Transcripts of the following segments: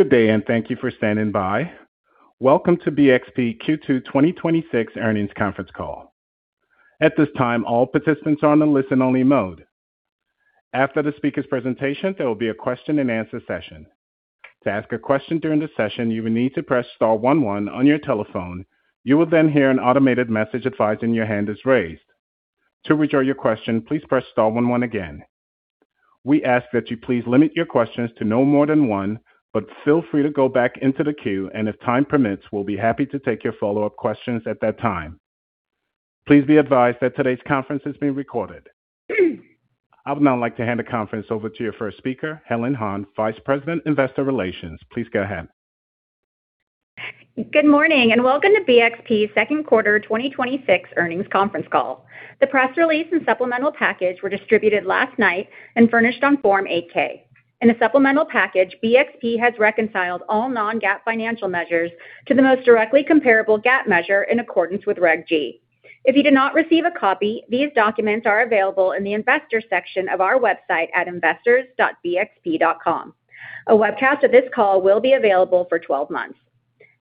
Good day, and thank you for standing by. Welcome to BXP Q2 2026 earnings conference call. At this time, all participants are on listen-only mode. After the speaker's presentation, there will be a question-and-answer session. To ask a question during the session, you will need to press star one one on your telephone. You will then hear an automated message advising your hand is raised. To withdraw your question, please press star one one again. We ask that you please limit your questions to no more than one, feel free to go back into the queue, and if time permits, we will be happy to take your follow-up questions at that time. Please be advised that today's conference is being recorded. I would now like to hand the conference over to your first speaker, Helen Han, Vice President, Investor Relations. Please go ahead. Good morning, welcome to BXP's second quarter 2026 earnings conference call. The press release and supplemental package were distributed last night, furnished on Form 8-K. In the supplemental package, BXP has reconciled all non-GAAP financial measures to the most directly comparable GAAP measure in accordance with Reg G. If you did not receive a copy, these documents are available in the Investors section of our website at investors.bxp.com. A webcast of this call will be available for 12 months.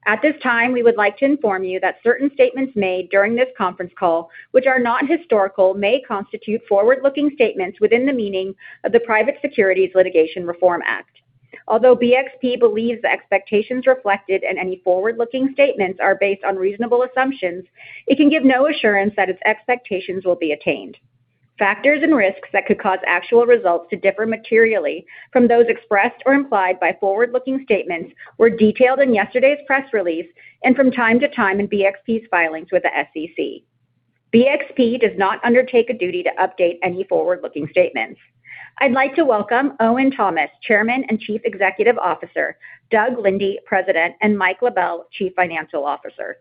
At this time, we would like to inform you that certain statements made during this conference call, which are not historical, may constitute forward-looking statements within the meaning of the Private Securities Litigation Reform Act. Although BXP believes the expectations reflected in any forward-looking statements are based on reasonable assumptions, it can give no assurance that its expectations will be attained. Factors and risks that could cause actual results to differ materially from those expressed or implied by forward-looking statements were detailed in yesterday's press release and from time to time in BXP's filings with the SEC. BXP does not undertake a duty to update any forward-looking statements. I'd like to welcome Owen Thomas, Chairman and Chief Executive Officer, Doug Linde, President, and Mike LaBelle, Chief Financial Officer.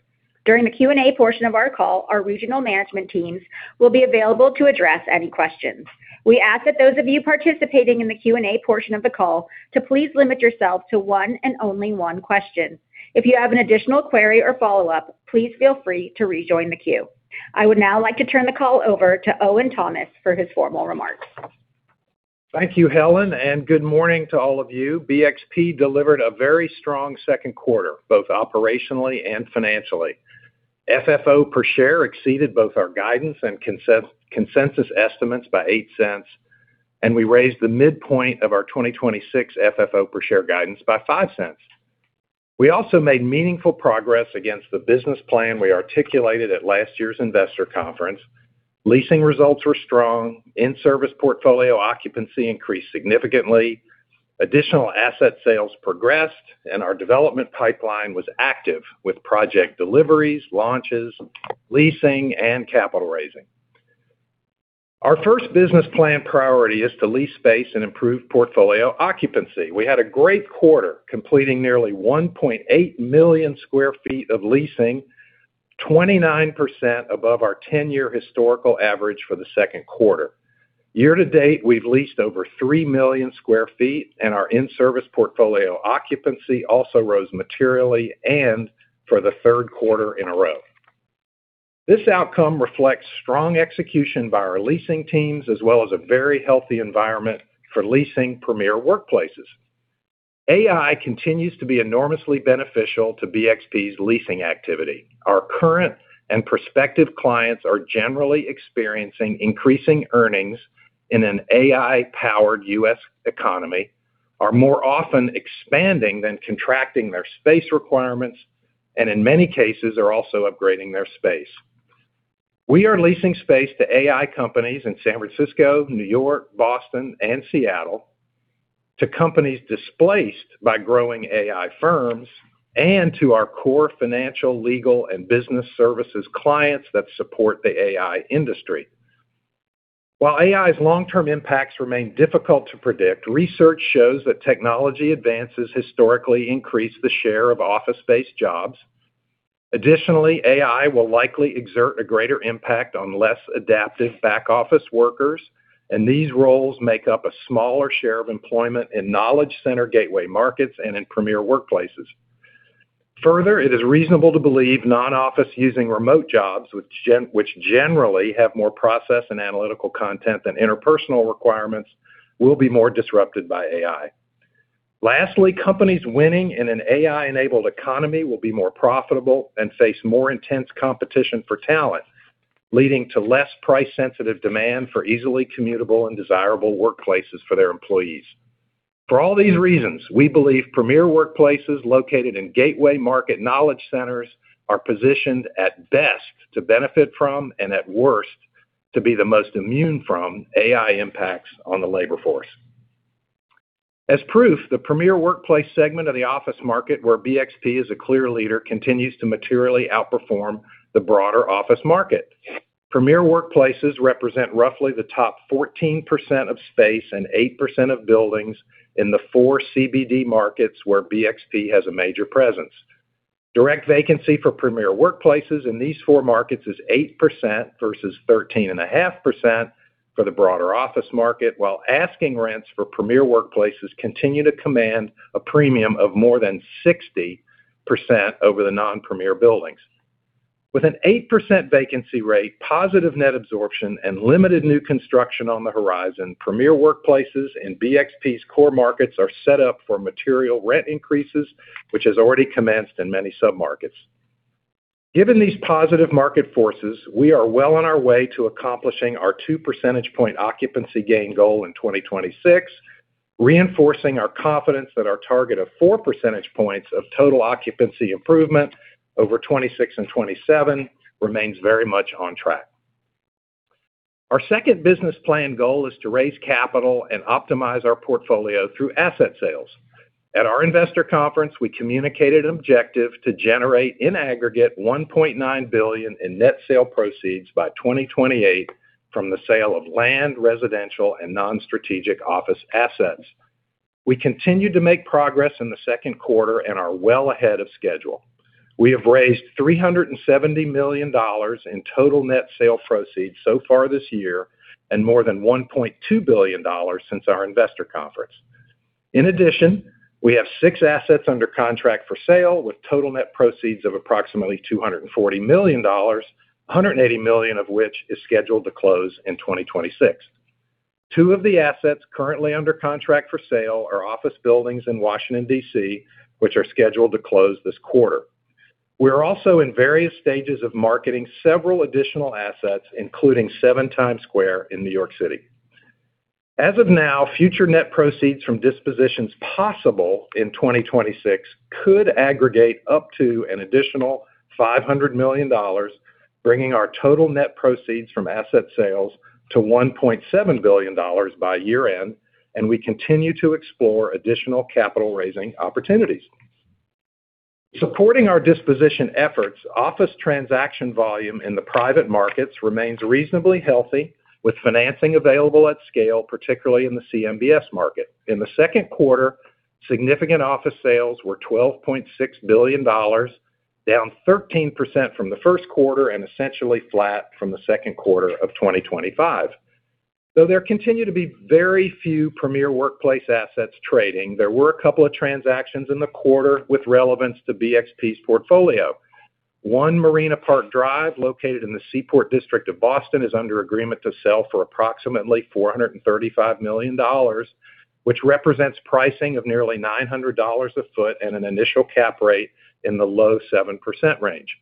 During the Q&A portion of our call, our regional management teams will be available to address any questions. We ask that those of you participating in the Q&A portion of the call to please limit yourself to one and only one question. If you have an additional query or follow-up, please feel free to rejoin the queue. I would now like to turn the call over to Owen Thomas for his formal remarks. Thank you, Helen, and good morning to all of you. BXP delivered a very strong second quarter, both operationally and financially. FFO per share exceeded both our guidance and consensus estimates by $0.08, we raised the midpoint of our 2026 FFO per share guidance by $0.05. We also made meaningful progress against the business plan we articulated at last year's investor conference. Leasing results were strong. In-service portfolio occupancy increased significantly. Additional asset sales progressed, our development pipeline was active with project deliveries, launches, leasing, and capital raising. Our first business plan priority is to lease space and improve portfolio occupancy. We had a great quarter, completing nearly 1.8 million sq ft of leasing, 29% above our 10-year historical average for the second quarter. Year-to-date, we've leased over 3 million sq ft, and our in-service portfolio occupancy also rose materially and for the third quarter in a row. This outcome reflects strong execution by our leasing teams as well as a very healthy environment for leasing premier workplaces. AI continues to be enormously beneficial to BXP's leasing activity. Our current and prospective clients are generally experiencing increasing earnings in an AI-powered U.S. economy, are more often expanding than contracting their space requirements, and in many cases, are also upgrading their space. We are leasing space to AI companies in San Francisco, New York, Boston, and Seattle, to companies displaced by growing AI firms, and to our core financial, legal, and business services clients that support the AI industry. While AI's long-term impacts remain difficult to predict, research shows that technology advances historically increase the share of office space jobs. Additionally, AI will likely exert a greater impact on less adaptive back-office workers, and these roles make up a smaller share of employment in knowledge center gateway markets and in premier workplaces. Further, it is reasonable to believe non-office using remote jobs, which generally have more process and analytical content than interpersonal requirements, will be more disrupted by AI. Lastly, companies winning in an AI-enabled economy will be more profitable and face more intense competition for talent, leading to less price-sensitive demand for easily commutable and desirable workplaces for their employees. For all these reasons, we believe premier workplaces located in gateway market knowledge centers are positioned at best to benefit from, and at worst, to be the most immune from AI impacts on the labor force. As proof, the premier workplace segment of the office market, where BXP is a clear leader, continues to materially outperform the broader office market. Premier workplaces represent roughly the top 14% of space and 8% of buildings in the four CBD markets where BXP has a major presence. Direct vacancy for premier workplaces in these four markets is 8% versus 13.5% for the broader office market, while asking rents for premier workplaces continue to command a premium of more than 60% over the non-premier buildings. With an 8% vacancy rate, positive net absorption, and limited new construction on the horizon, premier workplaces and BXP's core markets are set up for material rent increases, which has already commenced in many sub-markets. Given these positive market forces, we are well on our way to accomplishing our 2 percentage point occupancy gain goal in 2026, reinforcing our confidence that our target of 4 percentage points of total occupancy improvement over 2026 and 2027 remains very much on track. Our second business plan goal is to raise capital and optimize our portfolio through asset sales. At our Investor Day, we communicated an objective to generate, in aggregate, $1.9 billion in net sale proceeds by 2028 from the sale of land, residential, and non-strategic office assets. We continue to make progress in the second quarter and are well ahead of schedule. We have raised $370 million in total net sale proceeds so far this year and more than $1.2 billion since our Investor Day. In addition, we have six assets under contract for sale with total net proceeds of approximately $240 million, $180 million of which is scheduled to close in 2026. Two of the assets currently under contract for sale are office buildings in Washington, D.C., which are scheduled to close this quarter. We are also in various stages of marketing several additional assets, including Seven Times Square in New York City. As of now, future net proceeds from dispositions possible in 2026 could aggregate up to an additional $500 million, bringing our total net proceeds from asset sales to $1.7 billion by year-end, and we continue to explore additional capital-raising opportunities. Supporting our disposition efforts, office transaction volume in the private markets remains reasonably healthy, with financing available at scale, particularly in the CMBS market. In the second quarter, significant office sales were $12.6 billion, down 13% from the first quarter and essentially flat from the second quarter of 2025. Though there continue to be very few premier workplace assets trading, there were a couple of transactions in the quarter with relevance to BXP's portfolio. One Marina Park Drive, located in the Seaport District of Boston, is under agreement to sell for approximately $435 million, which represents pricing of nearly $900 a foot and an initial cap rate in the low 7% range.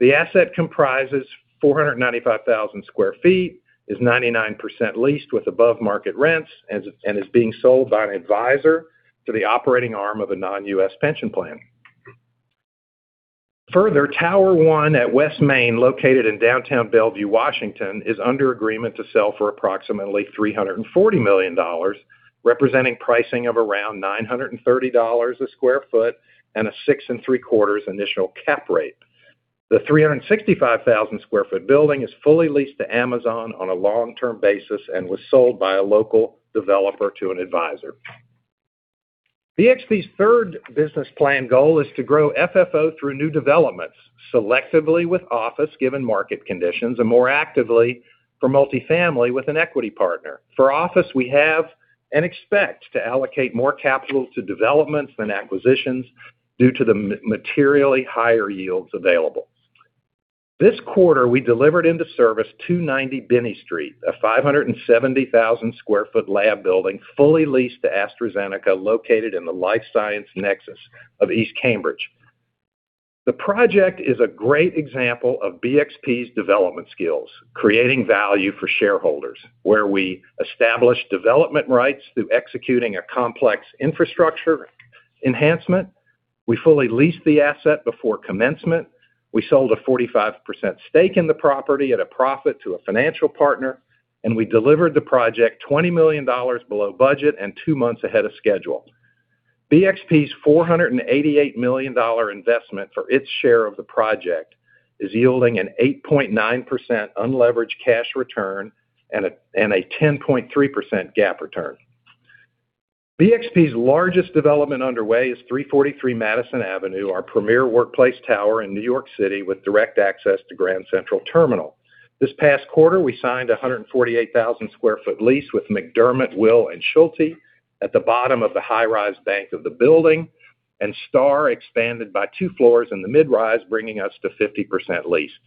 The asset comprises 495,000 sq ft, is 99% leased with above-market rents, and is being sold by an advisor to the operating arm of a non-U.S. pension plan. Further, Tower One at West Main, located in downtown Bellevue, Washington, is under agreement to sell for approximately $340 million, representing pricing of around $930 a sq ft and a 6.75% initial cap rate. The 365,000 sq ft building is fully leased to Amazon on a long-term basis and was sold by a local developer to an advisor. BXP's third business plan goal is to grow FFO through new developments, selectively with office-given market conditions, and more actively for multifamily with an equity partner. For office, we have and expect to allocate more capital to developments than acquisitions due to the materially higher yields available. This quarter, we delivered into service 290 Binney Street, a 570,000 sq ft lab building fully leased to AstraZeneca, located in the life science nexus of East Cambridge. The project is a great example of BXP's development skills, creating value for shareholders, where we established development rights through executing a complex infrastructure enhancement. We fully leased the asset before commencement. We sold a 45% stake in the property at a profit to a financial partner, and we delivered the project $20 million below budget and two months ahead of schedule. BXP's $488 million investment for its share of the project is yielding an 8.9% unleveraged cash return and a 10.3% GAAP return. BXP's largest development underway is 343 Madison Avenue, our premier workplace tower in New York City with direct access to Grand Central Terminal. This past quarter, we signed a 148,000 sq ft lease with McDermott Will & Emery at the bottom of the high-rise bank of the building, and Starr expanded by two floors in the mid-rise, bringing us to 50% leased.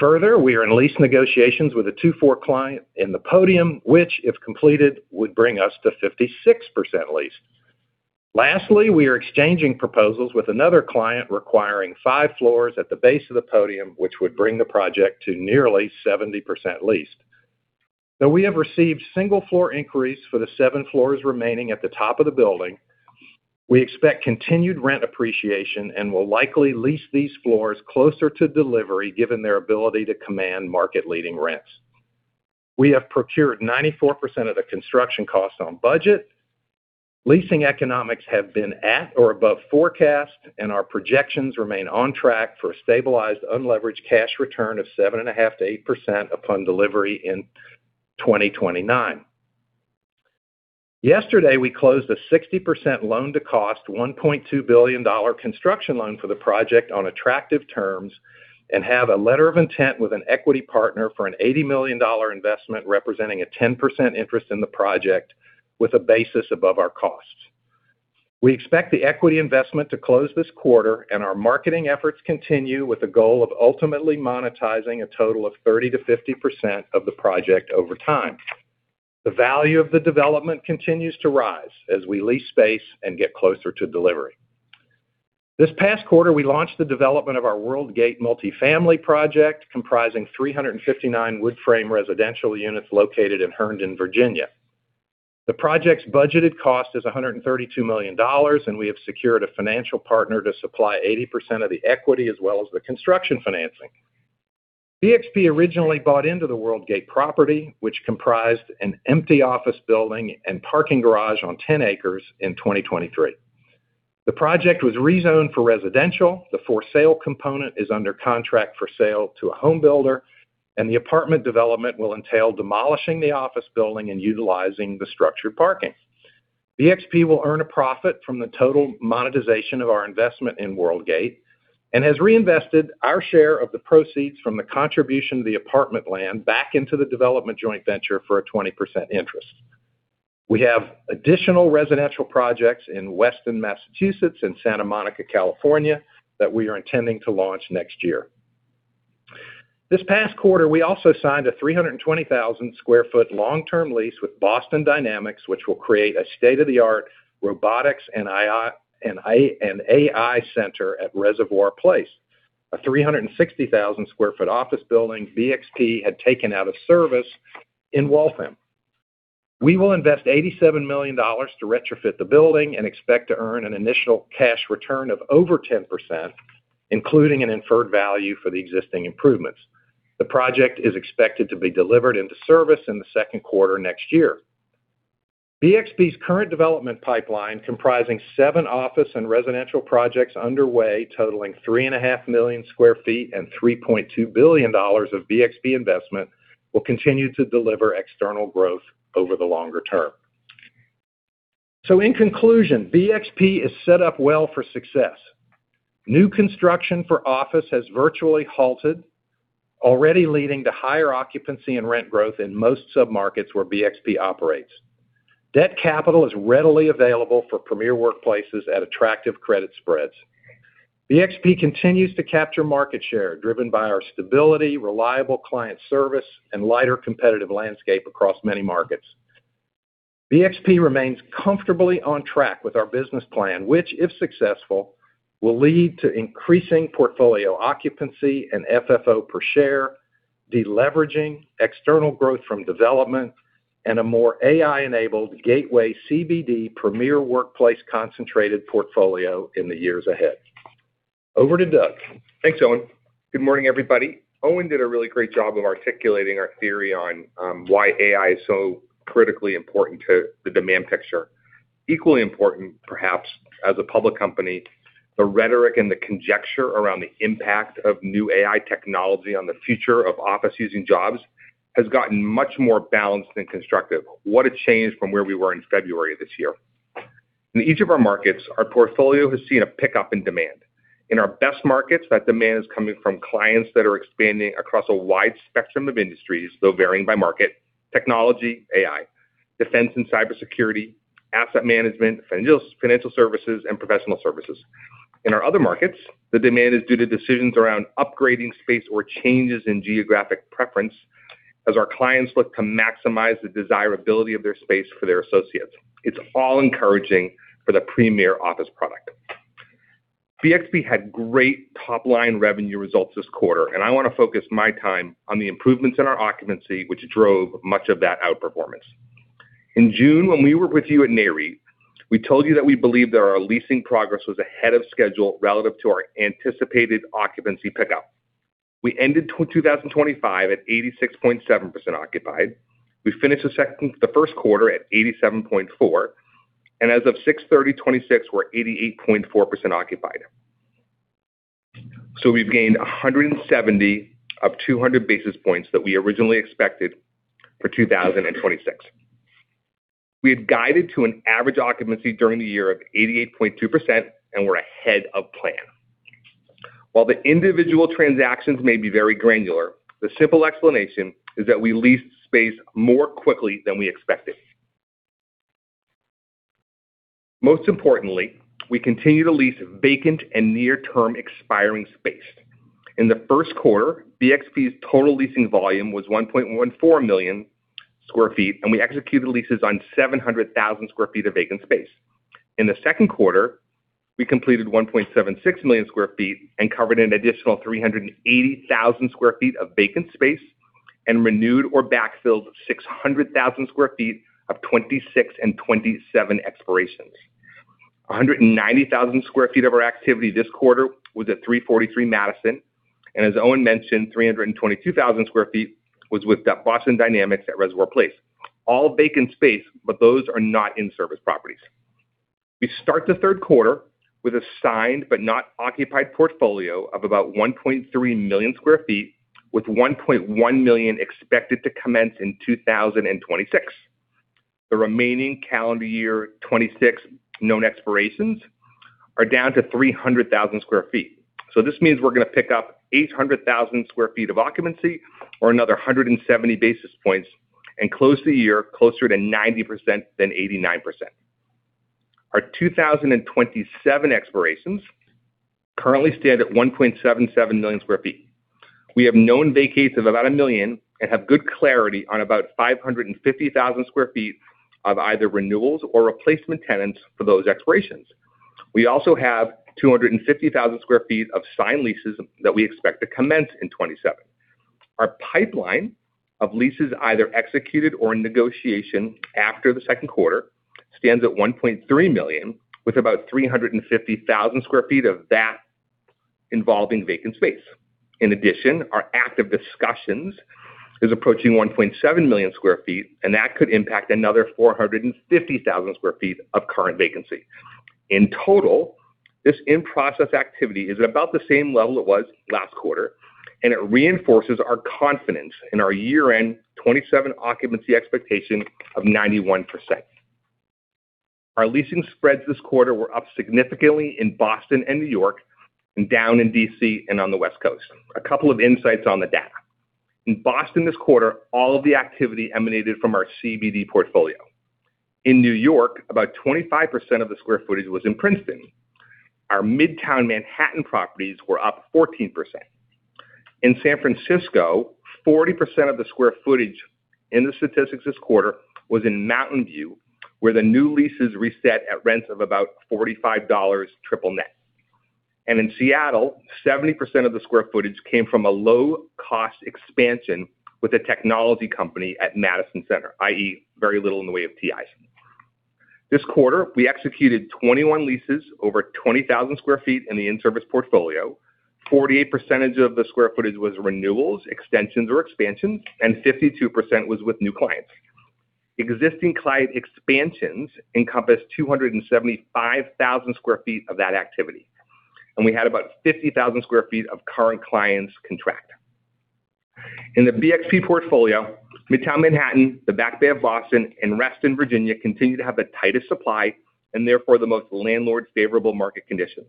We are in lease negotiations with a two-floor client in the podium, which, if completed, would bring us to 56% leased. We are exchanging proposals with another client requiring five floors at the base of the podium, which would bring the project to nearly 70% leased. We have received single floor inquiries for the 7 floors remaining at the top of the building, we expect continued rent appreciation and will likely lease these floors closer to delivery given their ability to command market-leading rents. We have procured 94% of the construction cost on budget. Leasing economics have been at or above forecast, our projections remain on track for a stabilized unleveraged cash return of 7.5%-8% upon delivery in 2029. Yesterday, we closed a 60% loan to cost, $1.2 billion construction loan for the project on attractive terms and have a letter of intent with an equity partner for an $80 million investment representing a 10% interest in the project with a basis above our cost. We expect the equity investment to close this quarter, our marketing efforts continue with the goal of ultimately monetizing a total of 30%-50% of the project over time. The value of the development continues to rise as we lease space and get closer to delivery. This past quarter, we launched the development of our World Gate multifamily project, comprising 359 wood frame residential units located in Herndon, Virginia. The project's budgeted cost is $132 million, we have secured a financial partner to supply 80% of the equity as well as the construction financing. BXP originally bought into the World Gate property, which comprised an empty office building and parking garage on 10 acres in 2023. The project was rezoned for residential. The for sale component is under contract for sale to a home builder, the apartment development will entail demolishing the office building and utilizing the structured parking. BXP will earn a profit from the total monetization of our investment in World Gate, has reinvested our share of the proceeds from the contribution of the apartment land back into the development joint venture for a 20% interest. We have additional residential projects in Weston, Massachusetts and Santa Monica, California that we are intending to launch next year. This past quarter, we also signed a 320,000 sq ft long-term lease with Boston Dynamics, which will create a state-of-the-art robotics and AI center at Reservoir Place, a 360,000 sq ft office building BXP had taken out of service in Waltham. We will invest $87 million to retrofit the building, expect to earn an initial cash return of over 10%, including an inferred value for the existing improvements. The project is expected to be delivered into service in the second quarter next year. BXP's current development pipeline, comprising seven office and residential projects underway totaling 3.5 million sq ft and $3.2 billion of BXP investment, will continue to deliver external growth over the longer term. In conclusion, BXP is set up well for success. New construction for office has virtually halted, already leading to higher occupancy and rent growth in most submarkets where BXP operates. Debt capital is readily available for premier workplaces at attractive credit spreads. BXP continues to capture market share driven by our stability, reliable client service, and lighter competitive landscape across many markets. BXP remains comfortably on track with our business plan, which, if successful, will lead to increasing portfolio occupancy and FFO per share, deleveraging external growth from development, and a more AI-enabled gateway CBD premier workplace concentrated portfolio in the years ahead. Over to Doug. Thanks, Owen. Good morning, everybody. Owen did a really great job of articulating our theory on why AI is so critically important to the demand picture. Equally important, perhaps, as a public company, the rhetoric and the conjecture around the impact of new AI technology on the future of office-using jobs has gotten much more balanced and constructive. What a change from where we were in February of this year. In each of our markets, our portfolio has seen a pickup in demand. In our best markets, that demand is coming from clients that are expanding across a wide spectrum of industries, though varying by market, technology, AI, defense and cybersecurity, asset management, financial services, and professional services. In our other markets, the demand is due to decisions around upgrading space or changes in geographic preference as our clients look to maximize the desirability of their space for their associates. It's all encouraging for the premier office product. BXP had great top-line revenue results this quarter, and I want to focus my time on the improvements in our occupancy, which drove much of that outperformance. In June, when we were with you at Nareit, we told you that we believed that our leasing progress was ahead of schedule relative to our anticipated occupancy pickup. We ended 2025 at 86.7% occupied. We finished the first quarter at 87.4%, and as of 6/30/2026, we're 88.4% occupied. We've gained 170 of 200 basis points that we originally expected for 2026. We had guided to an average occupancy during the year of 88.2%, and we're ahead of plan. While the individual transactions may be very granular, the simple explanation is that we leased space more quickly than we expected. Most importantly, we continue to lease vacant and near-term expiring space. In the first quarter, BXP's total leasing volume was 1.14 million sq ft, and we executed leases on 700,000 sq ft of vacant space. In the second quarter, we completed 1.76 million sq ft and covered an additional 380,000 sq ft of vacant space and renewed or backfilled 600,000 sq ft of 2026 and 2027 expirations. 190,000 sq ft of our activity this quarter was at 343 Madison, and as Owen mentioned, 322,000 sq ft was with Boston Dynamics at Reservoir Place. All vacant space, but those are not in-service properties. We start the third quarter with a signed but not occupied portfolio of about 1.3 million sq ft with 1.1 million expected to commence in 2026. The remaining calendar year 2026 known expirations are down to 300,000 sq ft. This means we're going to pick up 800,000 sq ft of occupancy or another 170 basis points and close the year closer to 90% than 89%. Our 2027 expirations currently stand at 1.77 million sq ft. We have known vacates of about 1 million and have good clarity on about 550,000 sq ft of either renewals or replacement tenants for those expirations. We also have 250,000 sq ft of signed leases that we expect to commence in 2027. Our pipeline of leases either executed or in negotiation after the second quarter stands at 1.3 million, with about 350,000 sq ft of that involving vacant space. In addition, our active discussions is approaching 1.7 million sq ft, and that could impact another 450,000 sq ft of current vacancy. In total, this in-process activity is about the same level it was last quarter, and it reinforces our confidence in our year-end 2027 occupancy expectation of 91%. Our leasing spreads this quarter were up significantly in Boston and New York and down in D.C. and on the West Coast. A couple of insights on the data. In Boston this quarter, all of the activity emanated from our CBD portfolio. In New York, about 25% of the square footage was in Princeton. Our Midtown Manhattan properties were up 14%. In San Francisco, 40% of the square footage in the statistics this quarter was in Mountain View, where the new leases reset at rents of about $45 triple net. In Seattle, 70% of the square footage came from a low-cost expansion with a technology company at Madison Center, i.e., very little in the way of TIs. This quarter, we executed 21 leases over 20,000 sq ft in the in-service portfolio. 48% of the square footage was renewals, extensions, or expansions, and 52% was with new clients. Existing client expansions encompassed 275,000 sq ft of that activity, and we had about 50,000 sq ft of current clients contract. In the BXP portfolio, Midtown Manhattan, the Back Bay of Boston, and Reston, Virginia, continue to have the tightest supply and therefore the most landlord-favorable market conditions.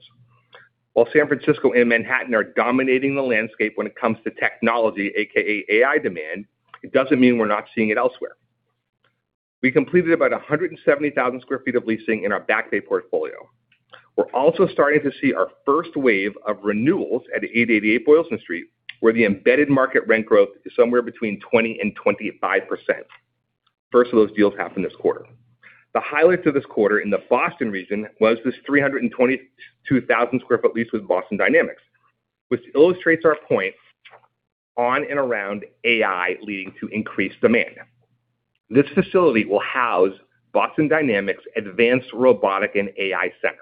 While San Francisco and Manhattan are dominating the landscape when it comes to technology, AKA AI demand, it doesn't mean we're not seeing it elsewhere. We completed about 170,000 sq ft of leasing in our Back Bay portfolio. We're also starting to see our first wave of renewals at 888 Boylston Street, where the embedded market rent growth is somewhere between 20%-25%. First of those deals happened this quarter. The highlights of this quarter in the Boston region was this 322,000 sq ft lease with Boston Dynamics, which illustrates our point on and around AI leading to increased demand. This facility will house Boston Dynamics' Advanced Robotic and AI Center.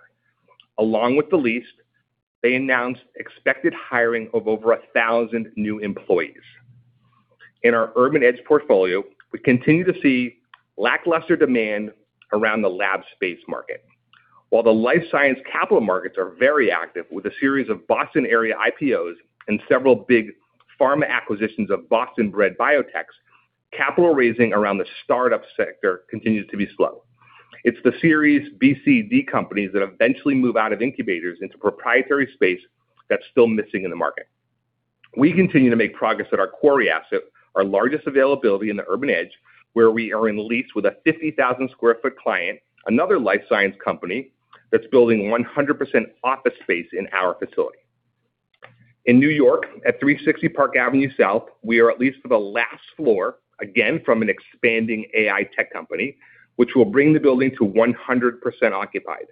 Along with the lease, they announced expected hiring of over 1,000 new employees. In our Urban Edge portfolio, we continue to see lackluster demand around the lab space market. While the life science capital markets are very active with a series of Boston area IPOs and several big pharma acquisitions of Boston-bred biotechs, capital raising around the startup sector continues to be slow. It's the series B, C, D companies that eventually move out of incubators into proprietary space that's still missing in the market. We continue to make progress at our Quarry asset, our largest availability in the Urban Edge, where we are in lease with a 50,000 sq ft client, another life science company, that's building 100% office space in our facility. In New York, at 360 Park Avenue South, we are at lease for the last floor, again from an expanding AI tech company, which will bring the building to 100% occupied.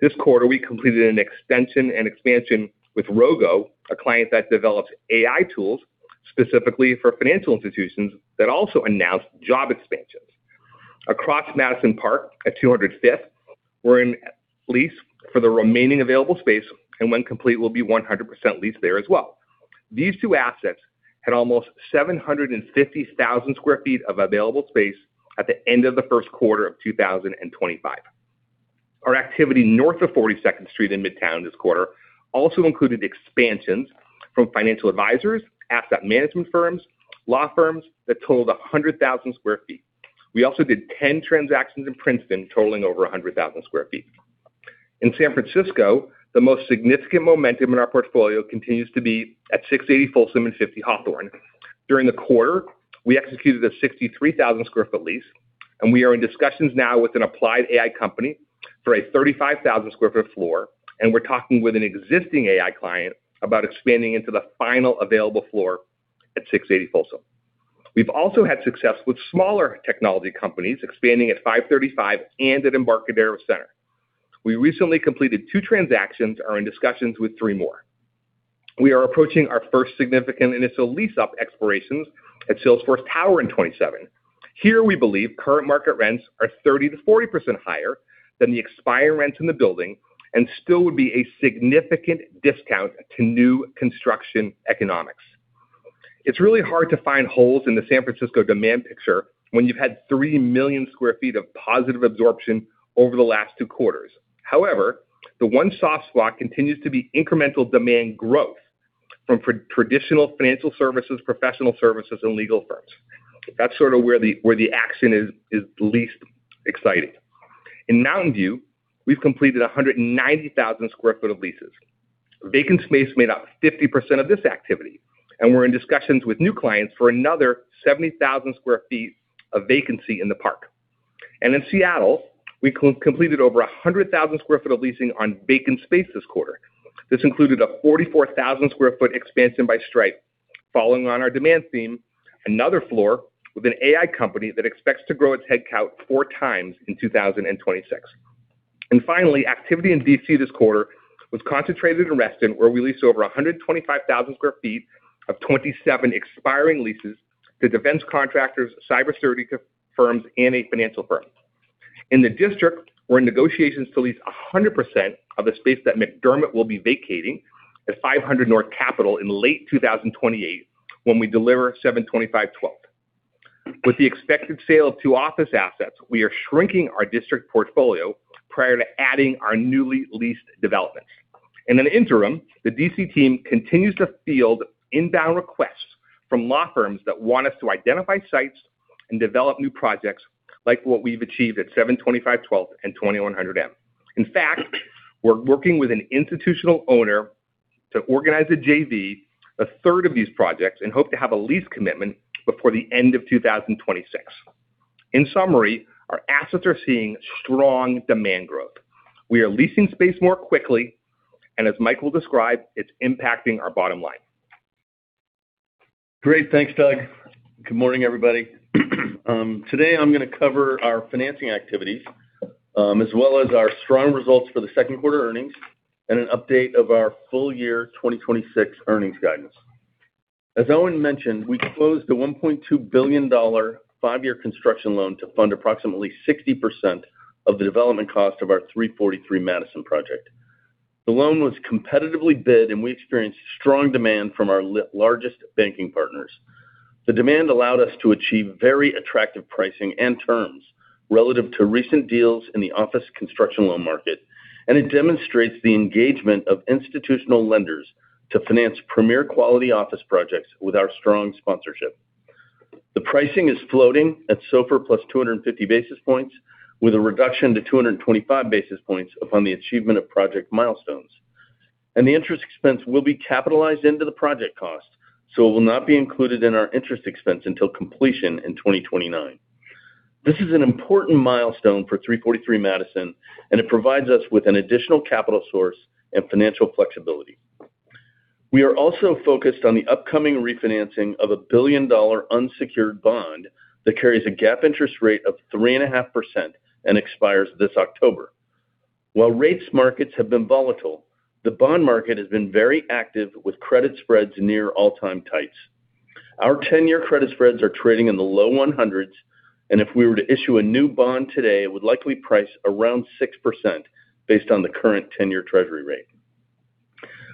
This quarter, we completed an extension and expansion with Rogo, a client that develops AI tools specifically for financial institutions that also announced job expansions. Across Madison Square Park at 200 Fifth Avenue, we're in lease for the remaining available space, and when complete, will be 100% leased there as well. These two assets had almost 750,000 sq ft of available space at the end of the first quarter of 2025. Our activity north of 42nd Street in Midtown this quarter also included expansions from financial advisors, asset management firms, law firms that totaled 100,000 sq ft. We also did 10 transactions in Princeton totaling over 100,000 sq ft. In San Francisco, the most significant momentum in our portfolio continues to be at 680 Folsom and 50 Hawthorne. During the quarter, we executed a 63,000 sq ft lease, and we are in discussions now with an applied AI company for a 35,000 sq ft floor, and we're talking with an existing AI client about expanding into the final available floor at 680 Folsom. We've also had success with smaller technology companies expanding at 535 and at Embarcadero Center. We recently completed two transactions and are in discussions with three more. We are approaching our first significant initial lease-up expirations at Salesforce Tower in 2027. Here we believe current market rents are 30%-40% higher than the expired rents in the building and still would be a significant discount to new construction economics. It's really hard to find holes in the San Francisco demand picture when you've had 3 million sq ft of positive absorption over the last two quarters. However, the one soft spot continues to be incremental demand growth from traditional financial services, professional services, and legal firms. That's sort of where the action is least exciting. In Mountain View, we've completed 190,000 sq ft of leases. Vacant space made up 50% of this activity, and we're in discussions with new clients for another 70,000 sq ft of vacancy in the park. In Seattle, we completed over 100,000 sq ft of leasing on vacant space this quarter. This included a 44,000 sq ft expansion by Stripe. Following on our demand theme, another floor with an AI company that expects to grow its headcount four times in 2026. Finally, activity in D.C. this quarter was concentrated in Reston, where we leased over 125,000 sq ft of 27 expiring leases to defense contractors, cyber security firms, and a financial firm. In the district, we're in negotiations to lease 100% of the space that McDermott will be vacating at 500 North Capitol Street in late 2028, when we deliver 72512. With the expected sale of two office assets, we are shrinking our district portfolio prior to adding our newly leased developments. In an interim, the D.C. team continues to field inbound requests from law firms that want us to identify sites and develop new projects like what we've achieved at 725 12th and 2100 M. We're working with an institutional owner to organize a JV a third of these projects and hope to have a lease commitment before the end of 2026. In summary, our assets are seeing strong demand growth. We are leasing space more quickly, and as Michael will describe, it's impacting our bottom line. Great. Thanks, Doug. Good morning, everybody. Today, I'm going to cover our financing activities, as well as our strong results for the second quarter earnings, and an update of our full year 2026 earnings guidance. As Owen mentioned, we closed a $1.2 billion five-year construction loan to fund approximately 60% of the development cost of our 343 Madison project. The loan was competitively bid. We experienced strong demand from our largest banking partners. The demand allowed us to achieve very attractive pricing and terms relative to recent deals in the office construction loan market. It demonstrates the engagement of institutional lenders to finance premier quality office projects with our strong sponsorship. The pricing is floating at SOFR plus 250 basis points, with a reduction to 225 basis points upon the achievement of project milestones. The interest expense will be capitalized into the project cost, it will not be included in our interest expense until completion in 2029. This is an important milestone for 343 Madison. It provides us with an additional capital source and financial flexibility. We are also focused on the upcoming refinancing of a billion dollar unsecured bond that carries a GAAP interest rate of 3.5% and expires this October. Rates markets have been volatile, the bond market has been very active with credit spreads near all-time tights. Our 10-year credit spreads are trading in the low 100s. If we were to issue a new bond today, it would likely price around 6% based on the current 10-year Treasury rate.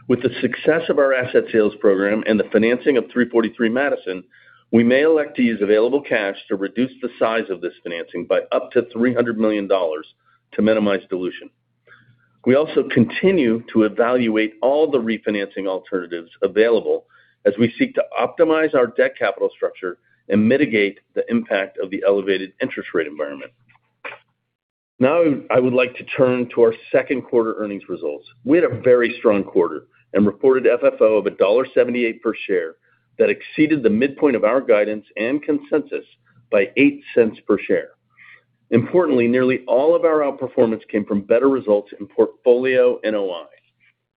With the success of our asset sales program and the financing of 343 Madison, we may elect to use available cash to reduce the size of this financing by up to $300 million to minimize dilution. We also continue to evaluate all the refinancing alternatives available as we seek to optimize our debt capital structure and mitigate the impact of the elevated interest rate environment. I would like to turn to our second quarter earnings results. We had a very strong quarter and reported FFO of $1.78 per share that exceeded the midpoint of our guidance and consensus by $0.08 per share. Importantly, nearly all of our outperformance came from better results in portfolio NOI.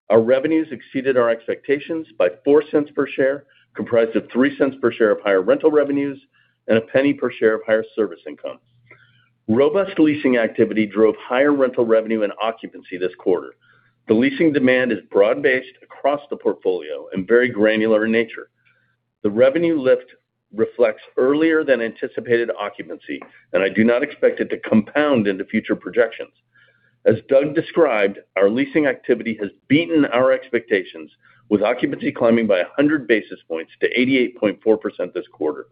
Our revenues exceeded our expectations by $0.04 per share, comprised of $0.03 per share of higher rental revenues and $0.01 per share of higher service incomes. Robust leasing activity drove higher rental revenue and occupancy this quarter. The leasing demand is broad based across the portfolio and very granular in nature. The revenue lift reflects earlier than anticipated occupancy, and I do not expect it to compound into future projections. As Doug described, our leasing activity has beaten our expectations, with occupancy climbing by 100 basis points to 88.4% this quarter.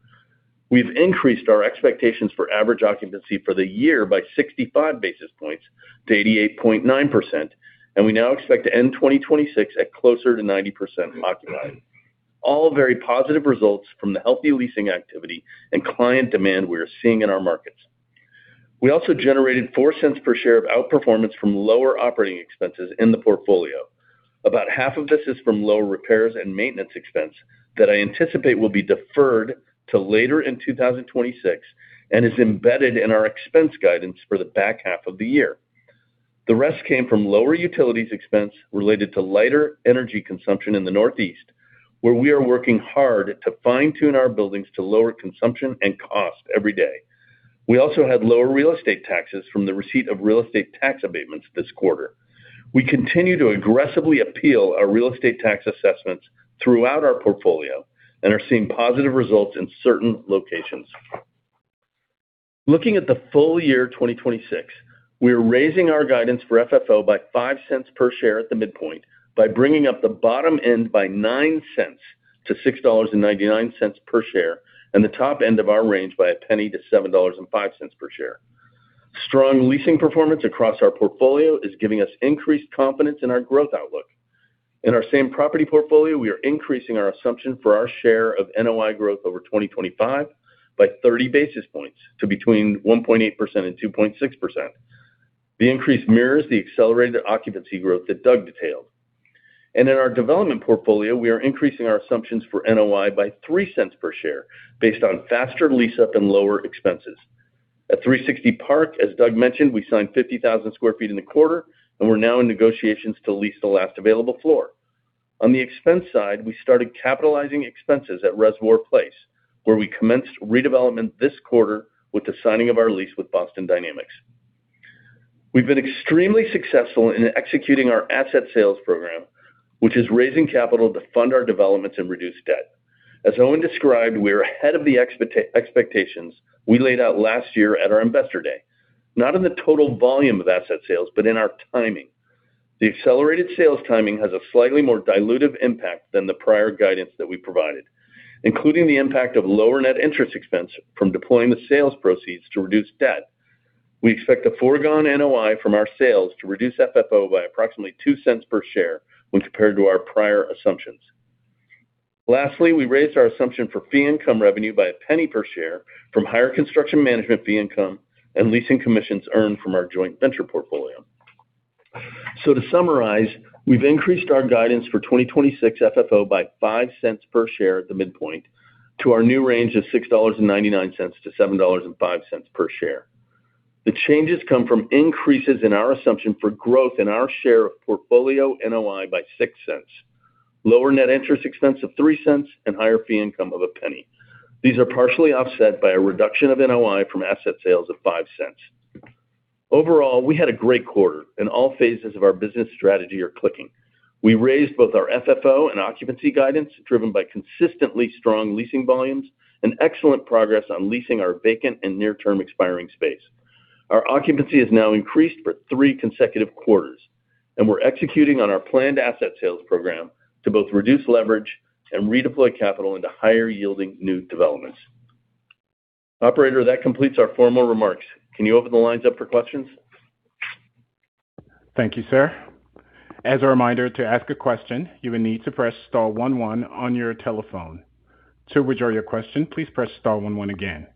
We've increased our expectations for average occupancy for the year by 65 basis points to 88.9%, and we now expect to end 2026 at closer to 90% occupied. All very positive results from the healthy leasing activity and client demand we are seeing in our markets. We also generated $0.04 per share of outperformance from lower operating expenses in the portfolio. About half of this is from lower repairs and maintenance expense that I anticipate will be deferred to later in 2026 and is embedded in our expense guidance for the back half of the year. The rest came from lower utilities expense related to lighter energy consumption in the Northeast, where we are working hard to fine tune our buildings to lower consumption and cost every day. We also had lower real estate taxes from the receipt of real estate tax abatements this quarter. We continue to aggressively appeal our real estate tax assessments throughout our portfolio and are seeing positive results in certain locations. Looking at the full year 2026, we are raising our guidance for FFO by $0.05 per share at the midpoint by bringing up the bottom end by $0.09-$6.99 per share and the top end of our range by $0.01-$7.05 per share. Strong leasing performance across our portfolio is giving us increased confidence in our growth outlook. In our same property portfolio, we are increasing our assumption for our share of NOI growth over 2025 by 30 basis points to between 1.8% and 2.6%. The increase mirrors the accelerated occupancy growth that Doug detailed. In our development portfolio, we are increasing our assumptions for NOI by $0.03 per share based on faster lease up and lower expenses. At 360 Park, as Doug mentioned, we signed 50,000 sq ft in the quarter, and we're now in negotiations to lease the last available floor. On the expense side, we started capitalizing expenses at Reservoir Place, where we commenced redevelopment this quarter with the signing of our lease with Boston Dynamics. We've been extremely successful in executing our asset sales program, which is raising capital to fund our developments and reduce debt. As Owen described, we are ahead of the expectations we laid out last year at our Investor Day, not in the total volume of asset sales, but in our timing. The accelerated sales timing has a slightly more dilutive impact than the prior guidance that we provided, including the impact of lower net interest expense from deploying the sales proceeds to reduce debt. We expect the foregone NOI from our sales to reduce FFO by approximately $0.02 per share when compared to our prior assumptions. Lastly, we raised our assumption for fee income revenue by $0.01 per share from higher construction management fee income and leasing commissions earned from our joint venture portfolio. To summarize, we've increased our guidance for 2026 FFO by $0.05 per share at the midpoint to our new range of $6.99-$7.05 per share. The changes come from increases in our assumption for growth in our share of portfolio NOI by $0.06, lower net interest expense of $0.03, and higher fee income of $0.01. These are partially offset by a reduction of NOI from asset sales of $0.05. Overall, we had a great quarter, and all phases of our business strategy are clicking. We raised both our FFO and occupancy guidance, driven by consistently strong leasing volumes and excellent progress on leasing our vacant and near-term expiring space. Our occupancy has now increased for three consecutive quarters, and we're executing on our planned asset sales program to both reduce leverage and redeploy capital into higher yielding new developments. Operator, that completes our formal remarks. Can you open the lines up for questions? Thank you, sir. As a reminder, to ask a question, you will need to press star one one on your telephone. To withdraw your question, please press star one one again.